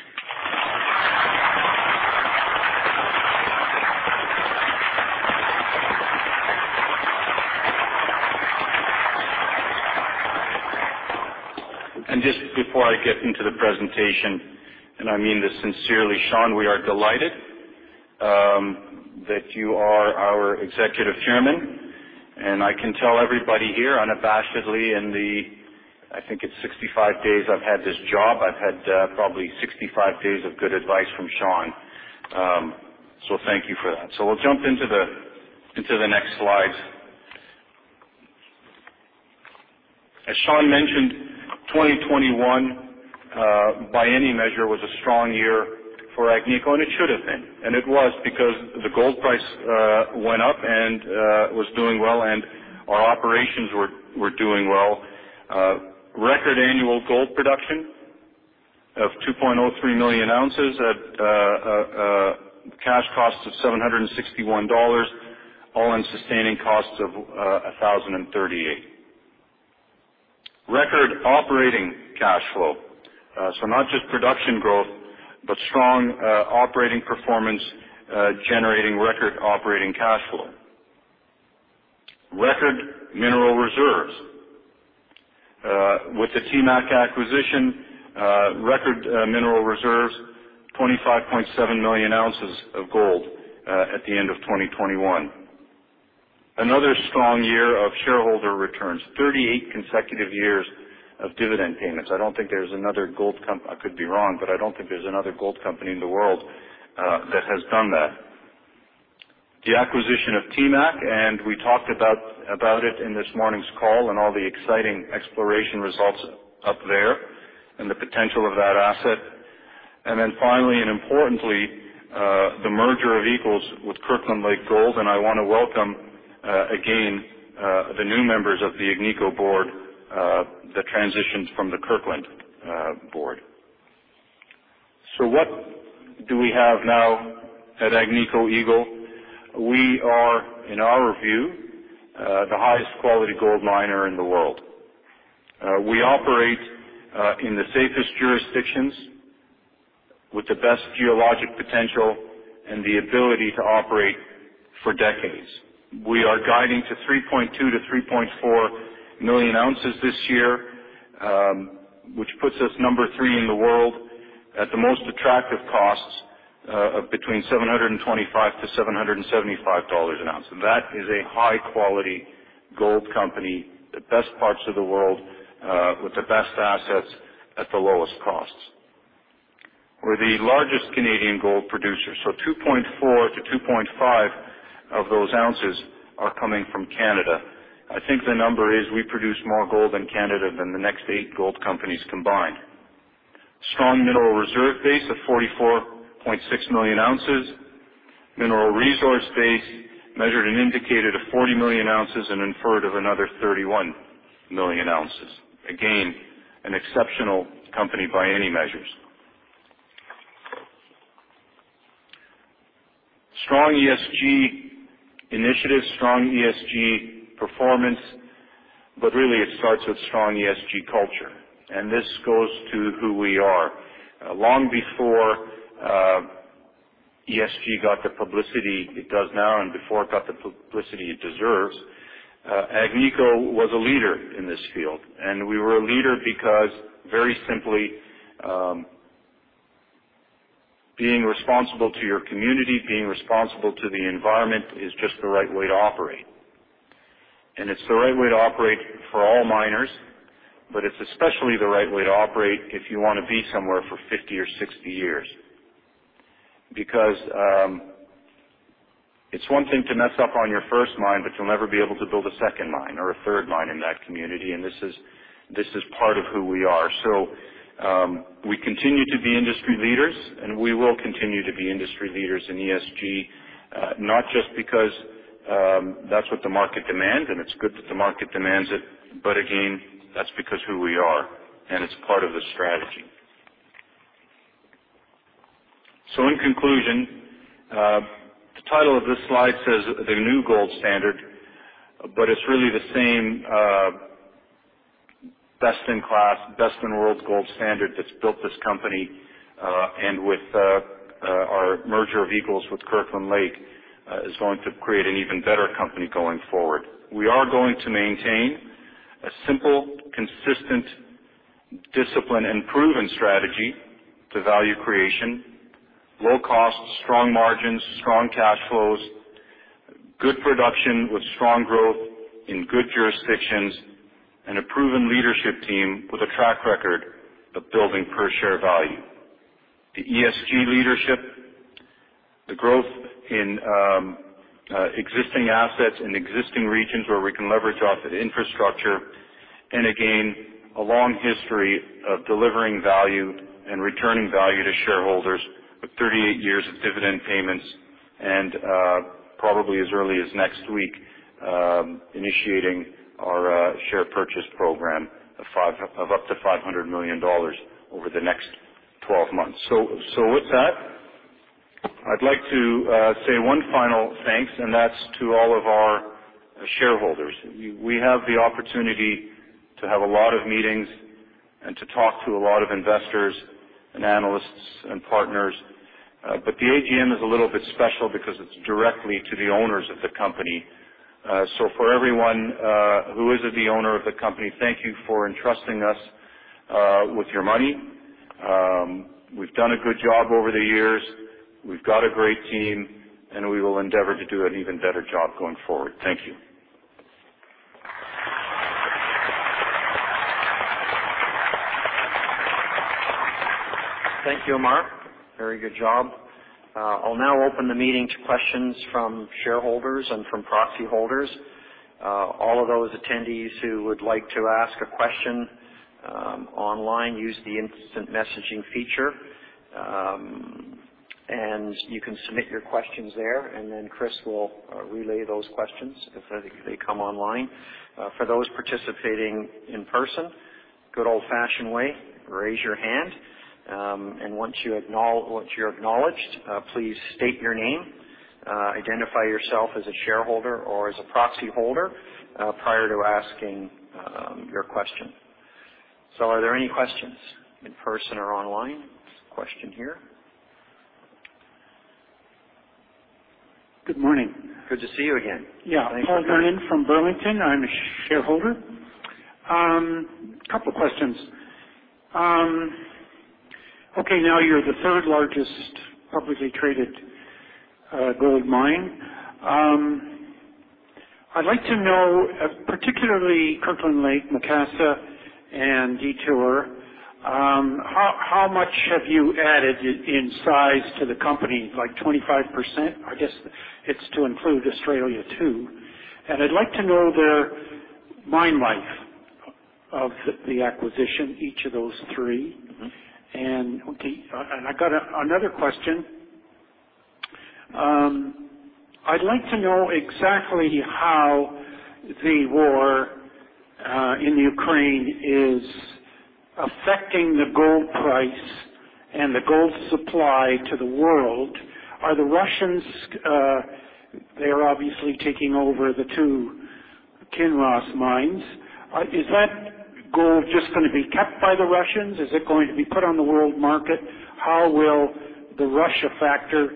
Just before I get into the presentation, and I mean this sincerely, Sean, we are delighted that you are our executive chairman. I can tell everybody here unabashedly, in the I think it's 65 days I've had this job, I've had probably 65 days of good advice from Sean. Thank you for that. We'll jump into the next slide. As Sean mentioned, 2021, by any measure, was a strong year for Agnico, and it should have been. It was because the gold price went up and was doing well and our operations were doing well. Record annual gold production of 2.03 million ounces at cash costs of $761, all-in sustaining costs of $1,038. Record operating cash flow. Not just production growth, but strong operating performance generating record operating cash flow. Record mineral reserves. With the TMAC acquisition, record mineral reserves, 25.7 million ounces of gold at the end of 2021. Another strong year of shareholder returns. 38 consecutive years of dividend payments. I don't think there's another gold company. I could be wrong, but I don't think there's another gold company in the world that has done that. The acquisition of TMAC, and we talked about it in this morning's call and all the exciting exploration results up there and the potential of that asset. Finally and importantly, the merger of equals with Kirkland Lake Gold. I wanna welcome again the new members of the Agnico board that transitioned from the Kirkland board. What do we have now at Agnico Eagle? We are, in our view, the highest quality gold miner in the world. We operate in the safest jurisdictions with the best geologic potential and the ability to operate for decades. We are guiding to 3.2 million-3.4 million ounces this year, which puts us number 3 in the world at the most attractive costs of between $725-$775 an ounce. That is a high quality gold company, the best parts of the world, with the best assets at the lowest costs. We're the largest Canadian gold producer, so 2.4 million-2.5 million of those ounces are coming from Canada. I think the number is we produce more gold in Canada than the next eight gold companies combined. Strong mineral reserve base of 44.6 million ounces. Mineral resource base measured and indicated of 40 million ounces and inferred of another 31 million ounces. Again, an exceptional company by any measures. Strong ESG initiatives, strong ESG performance, but really it starts with strong ESG culture. This goes to who we are. Long before ESG got the publicity it does now and before it got the publicity it deserves, Agnico was a leader in this field. We were a leader because very simply, being responsible to your community, being responsible to the environment is just the right way to operate. It's the right way to operate for all miners, but it's especially the right way to operate if you wanna be somewhere for 50 or 60 years. It's one thing to mess up on your first mine, but you'll never be able to build a second mine or a third mine in that community, and this is part of who we are. We continue to be industry leaders, and we will continue to be industry leaders in ESG, not just because that's what the market demands, and it's good that the market demands it, but again, that's because who we are, and it's part of the strategy. In conclusion, the title of this slide says The New Gold Standard, but it's really the same, best in class, best in world gold standard that's built this company, and with our merger of equals with Kirkland Lake is going to create an even better company going forward. We are going to maintain a simple, consistent discipline and proven strategy to value creation, low cost, strong margins, strong cash flows, good production with strong growth in good jurisdictions and a proven leadership team with a track record of building per share value. The ESG leadership, the growth in existing assets in existing regions where we can leverage off infrastructure. Again, a long history of delivering value and returning value to shareholders with 38 years of dividend payments and, probably as early as next week, initiating our share purchase program of up to $500 million over the next 12 months. With that, I'd like to say one final thanks, and that's to all of our shareholders. We have the opportunity to have a lot of meetings and to talk to a lot of investors and analysts and partners. The AGM is a little bit special because it's directly to the owners of the company. For everyone who is the owner of the company, thank you for entrusting us with your money. We've done a good job over the years. We've got a great team, and we will endeavor to do an even better job going forward. Thank you. Thank you, Ammar. Very good job. I'll now open the meeting to questions from shareholders and from proxy holders. All of those attendees who would like to ask a question online, use the instant messaging feature. You can submit your questions there, and then Chris will relay those questions as they come online. For those participating in person, good old-fashioned way, raise your hand. Once you're acknowledged, please state your name, identify yourself as a shareholder or as a proxy holder, prior to asking your question. Are there any questions in person or online? There's a question here. Good morning. Good to see you again. Yeah. Thanks for coming. Paul Glenn from Burlington. I'm a shareholder. Couple questions. Okay, now you're the third-largest publicly traded gold miner. I'd like to know, particularly Kirkland Lake, Macassa, and Detour, how much have you added in size to the company? Like 25%? I guess it's to include Australia too. I'd like to know the mine life of the acquisition, each of those three. Mm-hmm. Okay, I got another question. I'd like to know exactly how the war in Ukraine is affecting the gold price and the gold supply to the world. Are the Russians? They're obviously taking over the two Kinross mines. Is that gold just gonna be kept by the Russians? Is it going to be put on the world market? How will the Russia factor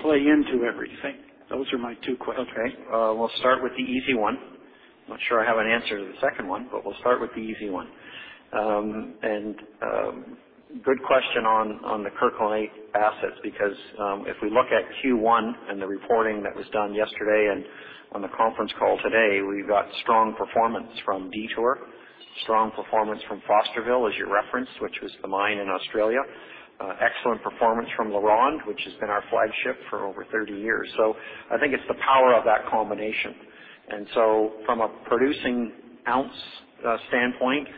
play into everything? Those are my two questions. Okay. We'll start with the easy one. I'm not sure I have an answer to the second one, but we'll start with the easy one. Good question on the Kirkland Lake assets because if we look at Q1 and the reporting that was done yesterday and on the conference call today, we've got strong performance from Detour, strong performance from Fosterville, as you referenced, which was the mine in Australia. Excellent performance from LaRonde, which has been our flagship for over 30 years. I think it's the power of that combination. From a producing ounce standpoint,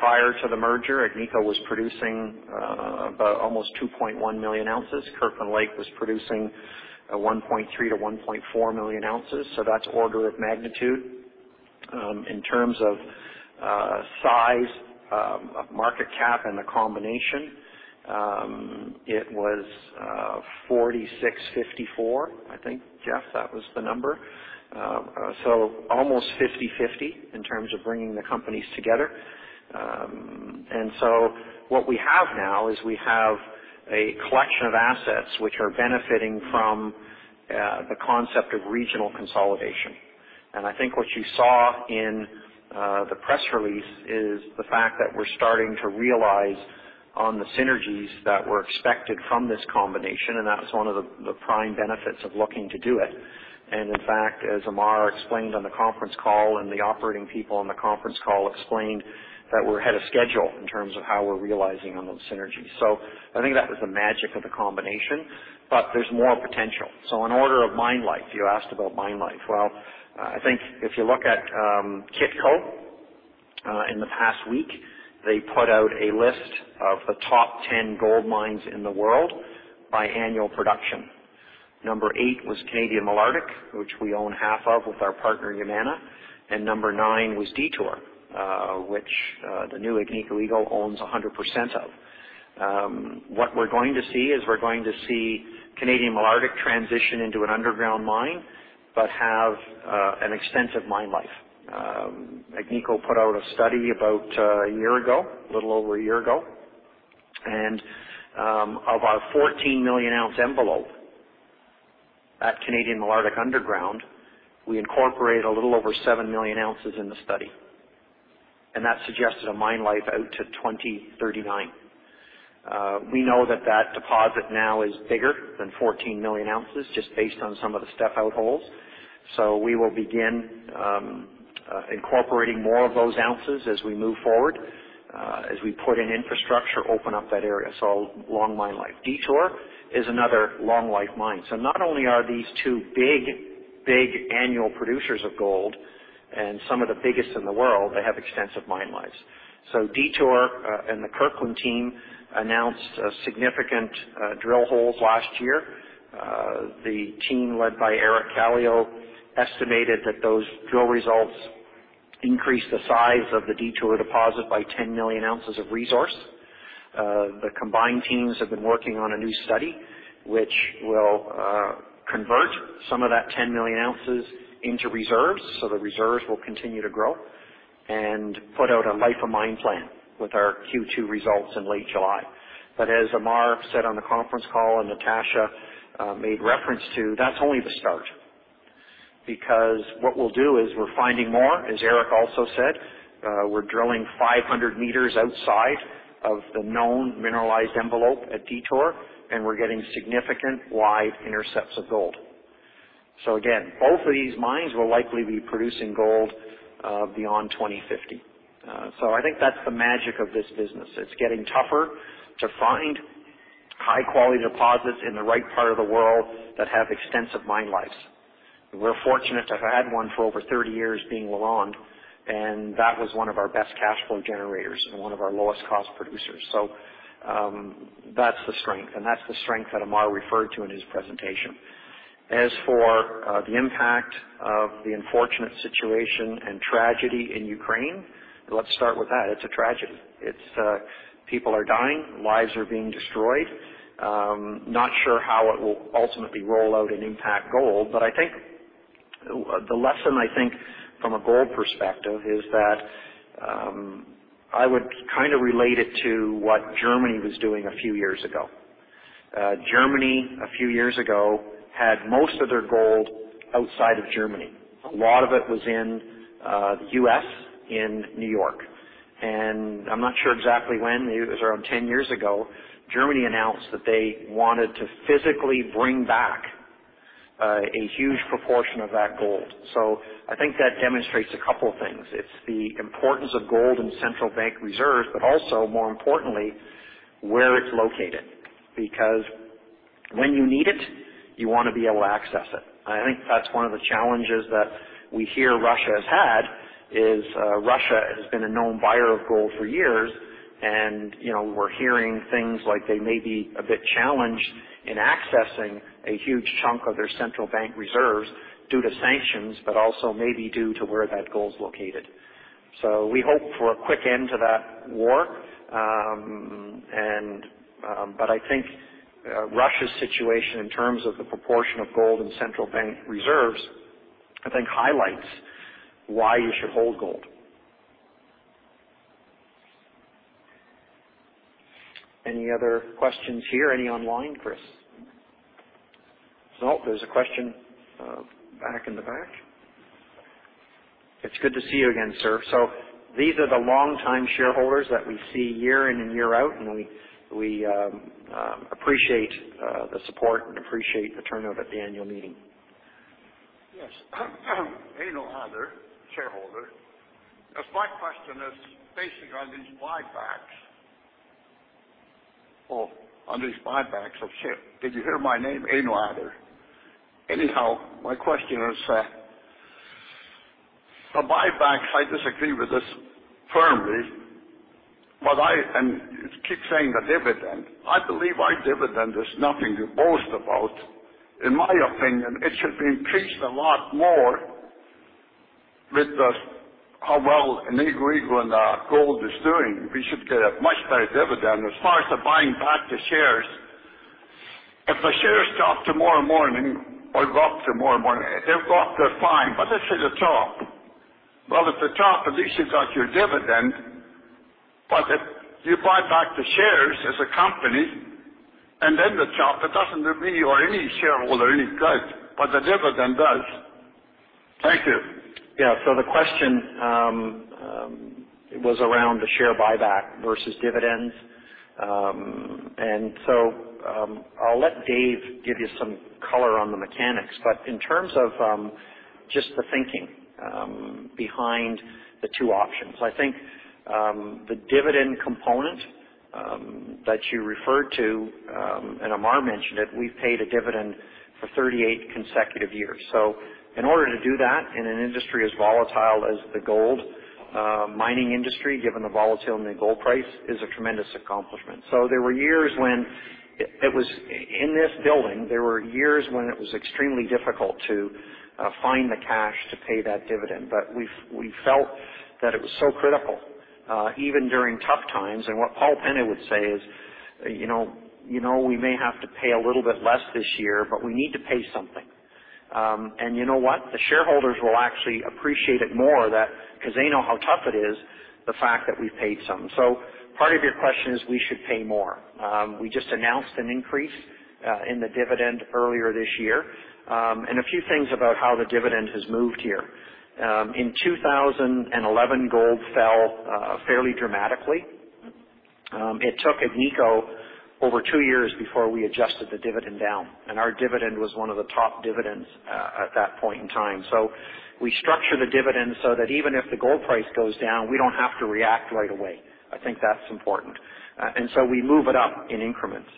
prior to the merger, Agnico was producing about almost 2.1 million ounces. Kirkland Lake was producing 1.3 million-1.4 million ounces, so that's order of magnitude. In terms of size of market cap and the combination, it was 46/54, I think, Jeff, that was the number. Almost 50/50 in terms of bringing the companies together. What we have now is we have a collection of assets which are benefiting from the concept of regional consolidation. I think what you saw in the press release is the fact that we're starting to realize on the synergies that were expected from this combination, and that was one of the prime benefits of looking to do it. In fact, as Ammar explained on the conference call and the operating people on the conference call explained that we're ahead of schedule in terms of how we're realizing on those synergies. I think that was the magic of the combination, but there's more potential. In order of mine life, you asked about mine life. Well, I think if you look at Kitco, in the past week, they put out a list of the top 10 gold mines in the world by annual production. Number 8 was Canadian Malartic, which we own half of with our partner, Yamana. Number 9 was Detour, which the new Agnico Eagle owns 100% of. What we're going to see is Canadian Malartic transition into an underground mine, but have an extensive mine life. Agnico put out a study about a year ago, a little over a year ago, and about 14 million ounce envelope at Canadian Malartic underground. We incorporate a little over 7 million ounces in the study, and that suggested a mine life out to 2039. We know that deposit now is bigger than 14 million ounces just based on some of the step out holes. We will begin incorporating more of those ounces as we move forward as we put in infrastructure, open up that area. Long mine life. Detour is another long life mine. Not only are these two big, big annual producers of gold and some of the biggest in the world, they have extensive mine lives. Detour and the Kirkland team announced a significant drill holes last year. The team, led by Eric Kallio, estimated that those drill results increased the size of the Detour deposit by 10 million ounces of resource. The combined teams have been working on a new study which will convert some of that 10 million ounces into reserves, so the reserves will continue to grow and put out a life of mine plan with our Q2 results in late July. As Ammar said on the conference call and Natasha made reference to, that's only the start. What we'll do is we're finding more, as Eric also said, we're drilling 500 meters outside of the known mineralized envelope at Detour, and we're getting significant wide intercepts of gold. Again, both of these mines will likely be producing gold beyond 2050. I think that's the magic of this business. It's getting tougher to find high-quality deposits in the right part of the world that have extensive mine lives. We're fortunate to have had one for over 30 years being LaRonde, and that was one of our best cash flow generators and one of our lowest cost producers. That's the strength, and that's the strength that Ammar referred to in his presentation. As for the impact of the unfortunate situation and tragedy in Ukraine, let's start with that. It's a tragedy. It's. People are dying, lives are being destroyed. Not sure how it will ultimately roll out and impact gold, but I think. The lesson, I think, from a gold perspective is that, I would kind of relate it to what Germany was doing a few years ago. Germany, a few years ago, had most of their gold outside of Germany. A lot of it was in the U.S., in New York. I'm not sure exactly when, maybe it was around 10 years ago, Germany announced that they wanted to physically bring back a huge proportion of that gold. I think that demonstrates a couple of things. It's the importance of gold in central bank reserves, but also, more importantly, where it's located. Because when you need it, you wanna be able to access it. I think that's one of the challenges that we hear Russia has had, is, Russia has been a known buyer of gold for years. You know, we're hearing things like they may be a bit challenged in accessing a huge chunk of their central bank reserves due to sanctions, but also maybe due to where that gold's located. We hope for a quick end to that war. I think Russia's situation in terms of the proportion of gold and central bank reserves, I think, highlights why you should hold gold. Any other questions here? Any online, Chris? No, there's a question back in the back. It's good to see you again, sir. These are the longtime shareholders that we see year in and year out, and we appreciate the support and appreciate the turnout at the annual meeting. Yes. Ain't no other shareholder. My question is based on these buybacks. On these buybacks of shares. Did you hear my name? Anyhow, my question is the buybacks. I disagree with this firmly, but you keep saying the dividend. I believe our dividend is nothing to boast about. In my opinion, it should be increased a lot more with how well nickel and gold is doing. We should get a much better dividend. As far as buying back the shares, if the shares drop tomorrow morning or go up tomorrow morning, if they've got their dividend. But let's say at the top. Well, at the top, at least you got your dividend. But if you buy back the shares as a company and then it drops, it doesn't do me or any shareholder any good, but the dividend does. Thank you. Yeah. The question was around the share buyback versus dividends. I'll let Dave give you some color on the mechanics, but in terms of just the thinking behind the two options. I think the dividend component that you referred to and Ammar mentioned it, we've paid a dividend for 38 consecutive years. In order to do that in an industry as volatile as the gold mining industry, given the volatility in gold price, is a tremendous accomplishment. There were years when it was in this building, there were years when it was extremely difficult to find the cash to pay that dividend. We felt that it was so critical even during tough times. What Paul Penna would say is, you know, we may have to pay a little bit less this year, but we need to pay something, and you know what? The shareholders will actually appreciate it more than that because they know how tough it is, the fact that we've paid some. Part of your question is we should pay more. We just announced an increase in the dividend earlier this year. A few things about how the dividend has moved here. In 2011 gold fell fairly dramatically. It took Agnico over 2 years before we adjusted the dividend down, and our dividend was one of the top dividends at that point in time. We structure the dividend so that even if the gold price goes down, we don't have to react right away. I think that's important. We move it up in increments.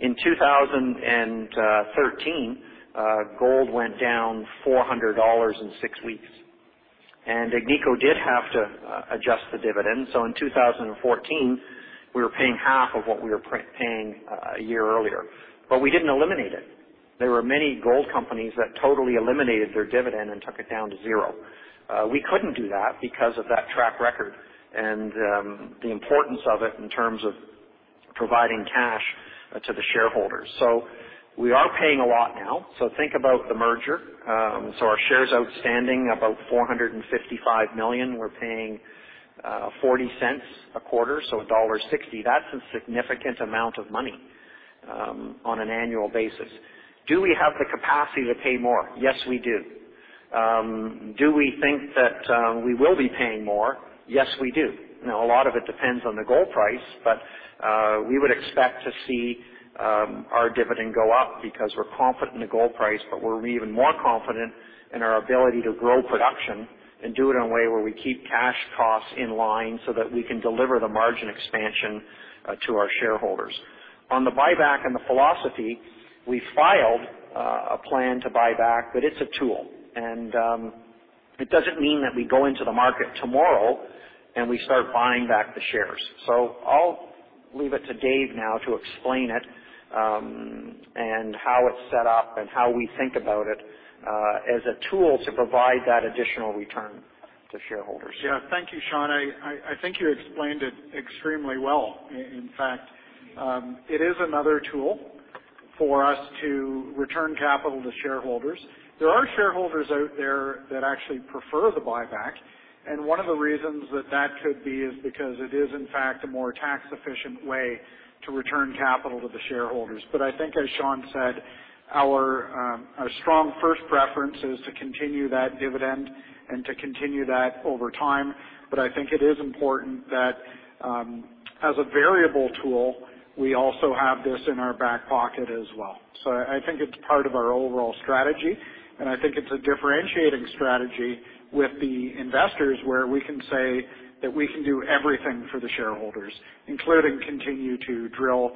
In 2013, gold went down $400 in 6 weeks. Agnico did have to adjust the dividend. In 2014, we were paying half of what we were prepaying a year earlier, but we didn't eliminate it. There were many gold companies that totally eliminated their dividend and took it down to zero. We couldn't do that because of that track record and the importance of it in terms of providing cash to the shareholders. We are paying a lot now. Think about the merger. Our shares outstanding about 455 million. We're paying $0.40 a quarter, so $1.60. That's a significant amount of money on an annual basis. Do we have the capacity to pay more? Yes, we do. Do we think that we will be paying more? Yes, we do. Now, a lot of it depends on the gold price, but we would expect to see our dividend go up because we're confident in the gold price, but we're even more confident in our ability to grow production and do it in a way where we keep cash costs in line so that we can deliver the margin expansion to our shareholders. On the buyback and the philosophy, we filed a plan to buy back, but it's a tool, and it doesn't mean that we go into the market tomorrow and we start buying back the shares. I'll leave it to Dave now to explain it, and how it's set up and how we think about it, as a tool to provide that additional return to shareholders. Yeah. Thank you, Sean. I think you explained it extremely well. In fact, it is another tool for us to return capital to shareholders. There are shareholders out there that actually prefer the buyback, and one of the reasons that could be is because it is in fact a more tax efficient way to return capital to the shareholders. I think as Sean said, our strong first preference is to continue that dividend and to continue that over time. I think it is important that, as a variable tool, we also have this in our back pocket as well. I think it's part of our overall strategy, and I think it's a differentiating strategy with the investors where we can say that we can do everything for the shareholders, including continue to drill,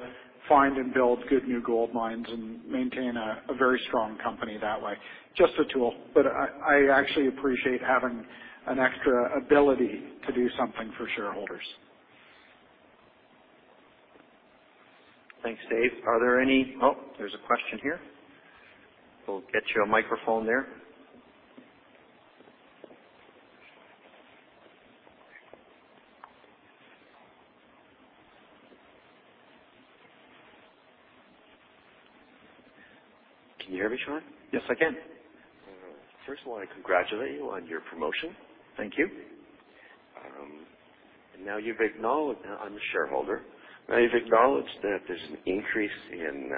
find and build good new gold mines and maintain a very strong company that way. Just a tool, but I actually appreciate having an extra ability to do something for shareholders. Thanks, Dave. Are there any? Oh, there's a question here. We'll get you a microphone there. Can you hear me, Sean? Yes, I can. All right. First of all, I congratulate you on your promotion. Thank you. Now you've acknowledged, I'm a shareholder. Now you've acknowledged that there's an increase in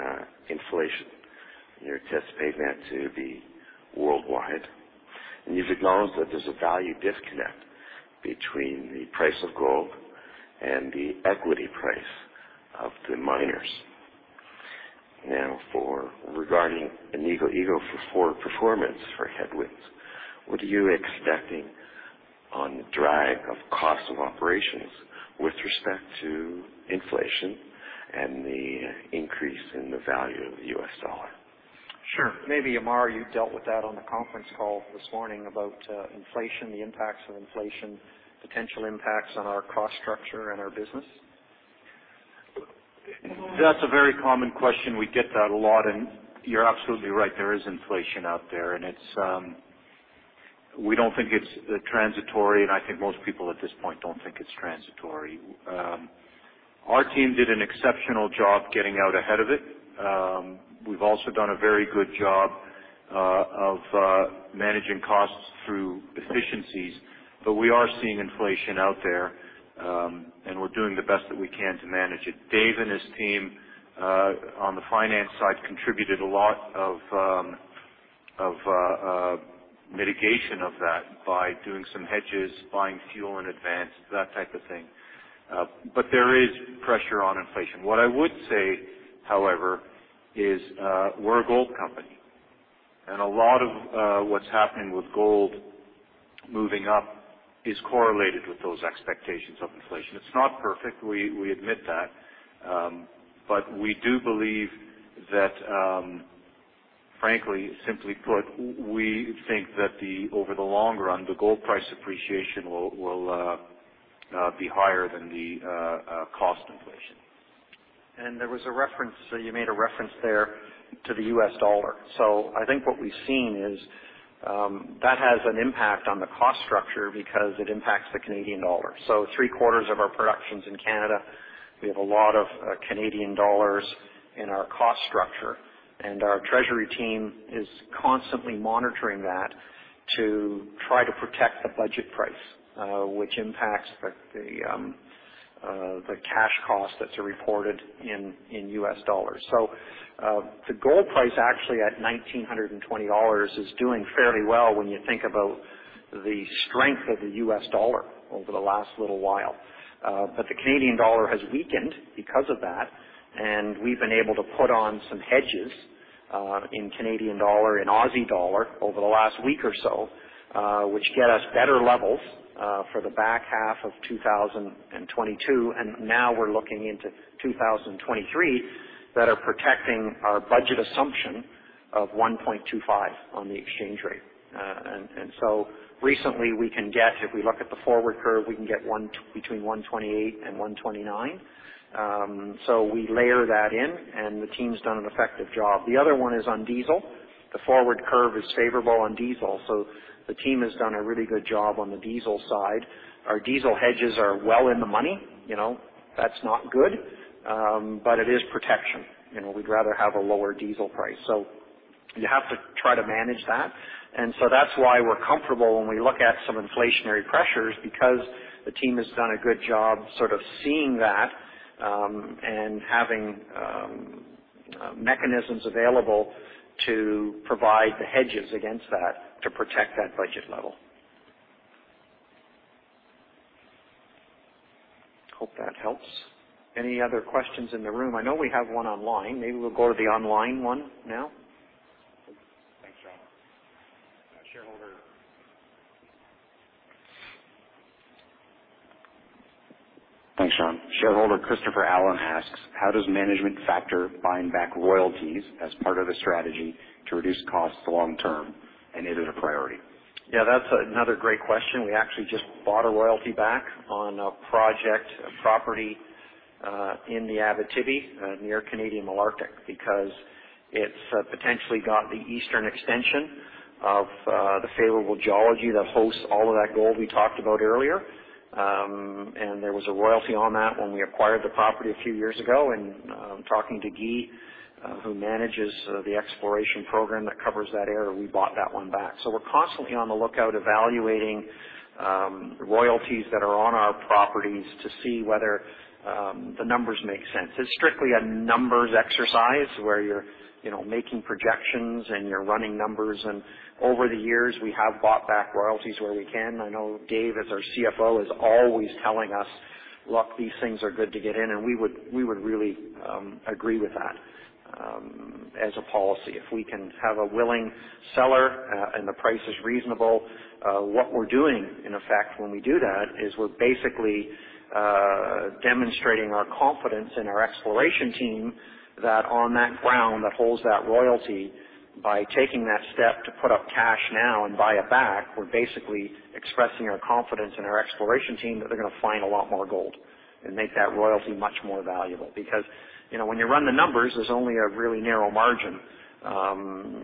inflation, and you're anticipating that to be worldwide. You've acknowledged that there's a value disconnect between the price of gold and the equity price of the miners. Now, regarding Agnico Eagle for performance headwinds, what are you expecting on the drag of cost of operations with respect to inflation and the increase in the value of the U.S dollar? Sure. Maybe, Ammar, you dealt with that on the conference call this morning about inflation, the impacts of inflation, potential impacts on our cost structure and our business. That's a very common question. We get that a lot, and you're absolutely right. There is inflation out there, and we don't think it's transitory, and I think most people at this point don't think it's transitory. Our team did an exceptional job getting out ahead of it. We've also done a very good job of managing costs through efficiencies. We are seeing inflation out there, and we're doing the best that we can to manage it. Dave and his team on the finance side contributed a lot of mitigation of that by doing some hedges, buying fuel in advance, that type of thing. There is pressure on inflation. What I would say, however, is we're a gold company, and a lot of what's happening with gold moving up is correlated with those expectations of inflation. It's not perfect, we admit that. We do believe that, frankly, simply put, we think that over the long run, the gold price appreciation will be higher than the cost inflation. There was a reference, you made a reference there to the $. I think what we've seen is that has an impact on the cost structure because it impacts the CAD. Three quarters of our production's in Canada, we have a lot of CAD in our cost structure, and our treasury team is constantly monitoring that to try to protect the budget price, which impacts the cash cost that's reported in $. The gold price actually at $1,920 is doing fairly well when you think about the strength of the $ over the last little while. The CAD has weakened because of that, and we've been able to put on some hedges in CND and AUD over the last week or so, which get us better levels for the back half of 2022. Now we're looking into 2023 that are protecting our budget assumption of 1.25 on the exchange rate. Recently we can get. If we look at the forward curve, we can get between 1.28 and 1.29. So we layer that in, and the team's done an effective job. The other one is on diesel. The forward curve is favorable on diesel, so the team has done a really good job on the diesel side. Our diesel hedges are well in the money. You know, that's not good, but it is protection. You know, we'd rather have a lower diesel price. You have to try to manage that. That's why we're comfortable when we look at some inflationary pressures because the team has done a good job sort of seeing that, and having, mechanisms available to provide the hedges against that to protect that budget level. Hope that helps. Any other questions in the room? I know we have one online. Maybe we'll go to the online one now. Thanks, Sean. Shareholder Christopher Allen asks, "How does management factor buying back royalties as part of the strategy to reduce costs long term, and is it a priority?" Yeah, that's another great question. We actually just bought a royalty back on a project, a property, in the Abitibi, near Canadian Malartic because it's potentially got the eastern extension of the favorable geology that hosts all of that gold we talked about earlier. There was a royalty on that when we acquired the property a few years ago. Talking to Guy, who manages the exploration program that covers that area, we bought that one back. We're constantly on the lookout evaluating royalties that are on our properties to see whether the numbers make sense. It's strictly a numbers exercise where you're, you know, making projections and you're running numbers. Over the years, we have bought back royalties where we can. I know Dave, as our CFO, is always telling us, "Look, these things are good to get in." We would really agree with that as a policy. If we can have a willing seller and the price is reasonable, what we're doing, in effect, when we do that is we're basically demonstrating our confidence in our exploration team that on that ground that holds that royalty, by taking that step to put up cash now and buy it back, we're basically expressing our confidence in our exploration team that they're gonna find a lot more gold and make that royalty much more valuable. Because, you know, when you run the numbers, there's only a really narrow margin.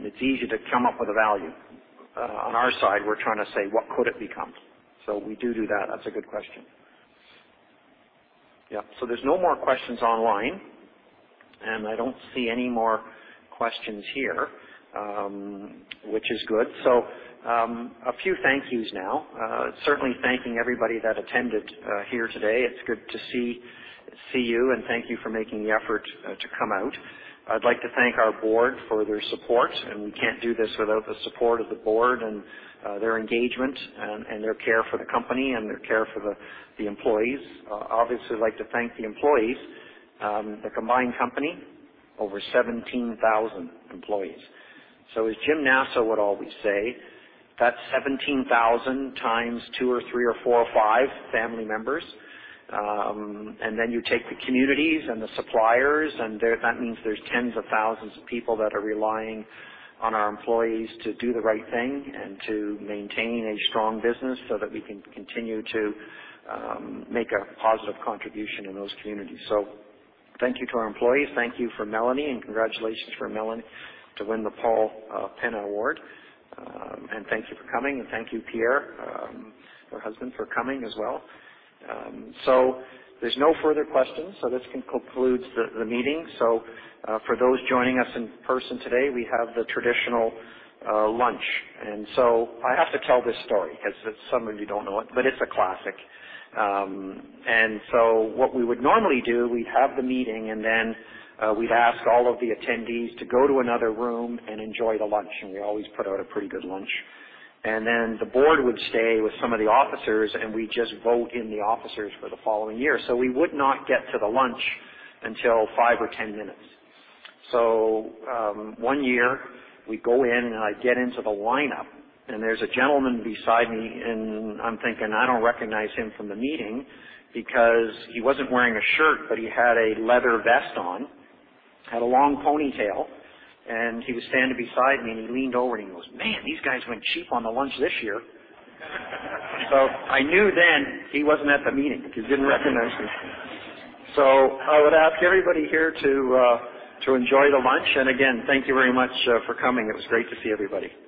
It's easy to come up with a value. On our side, we're trying to say, "What could it become?" We do that. That's a good question. There's no more questions online, and I don't see any more questions here, which is good. A few thank yous now. Certainly thanking everybody that attended here today. It's good to see you, and thank you for making the effort to come out. I'd like to thank our board for their support, and we can't do this without the support of the board and their engagement and their care for the company and their care for the employees. Obviously we'd like to thank the employees, the combined company, over 17,000 employees. As Jim Nasso would always say, that's 17,000x two or three or four or five family members. You take the communities and the suppliers, that means there's tens of thousands of people that are relying on our employees to do the right thing and to maintain a strong business so that we can continue to make a positive contribution in those communities. Thank you to our employees. Thank you to Mélanie, and congratulations to Mélanie to win the Paul Penna Award. Thank you for coming, and thank you, Pierre, her husband, for coming as well. There's no further questions, this concludes the meeting. For those joining us in person today, we have the traditional lunch. I have to tell this story 'cause some of you don't know it, but it's a classic. What we would normally do, we'd have the meeting, and then we'd ask all of the attendees to go to another room and enjoy the lunch, and we always put out a pretty good lunch. The board would stay with some of the officers, and we'd just vote in the officers for the following year. We would not get to the lunch until 5 Or 10 minutes. One year we go in, and I get into the lineup, and there's a gentleman beside me, and I'm thinking, I don't recognize him from the meeting because he wasn't wearing a shirt, but he had a leather vest on, had a long ponytail, and he was standing beside me, and he leaned over and he goes, "Man, these guys went cheap on the lunch this year." I knew then he wasn't at the meeting because he didn't recognize me. I would ask everybody here to enjoy the lunch. Again, thank you very much for coming. It was great to see everybody.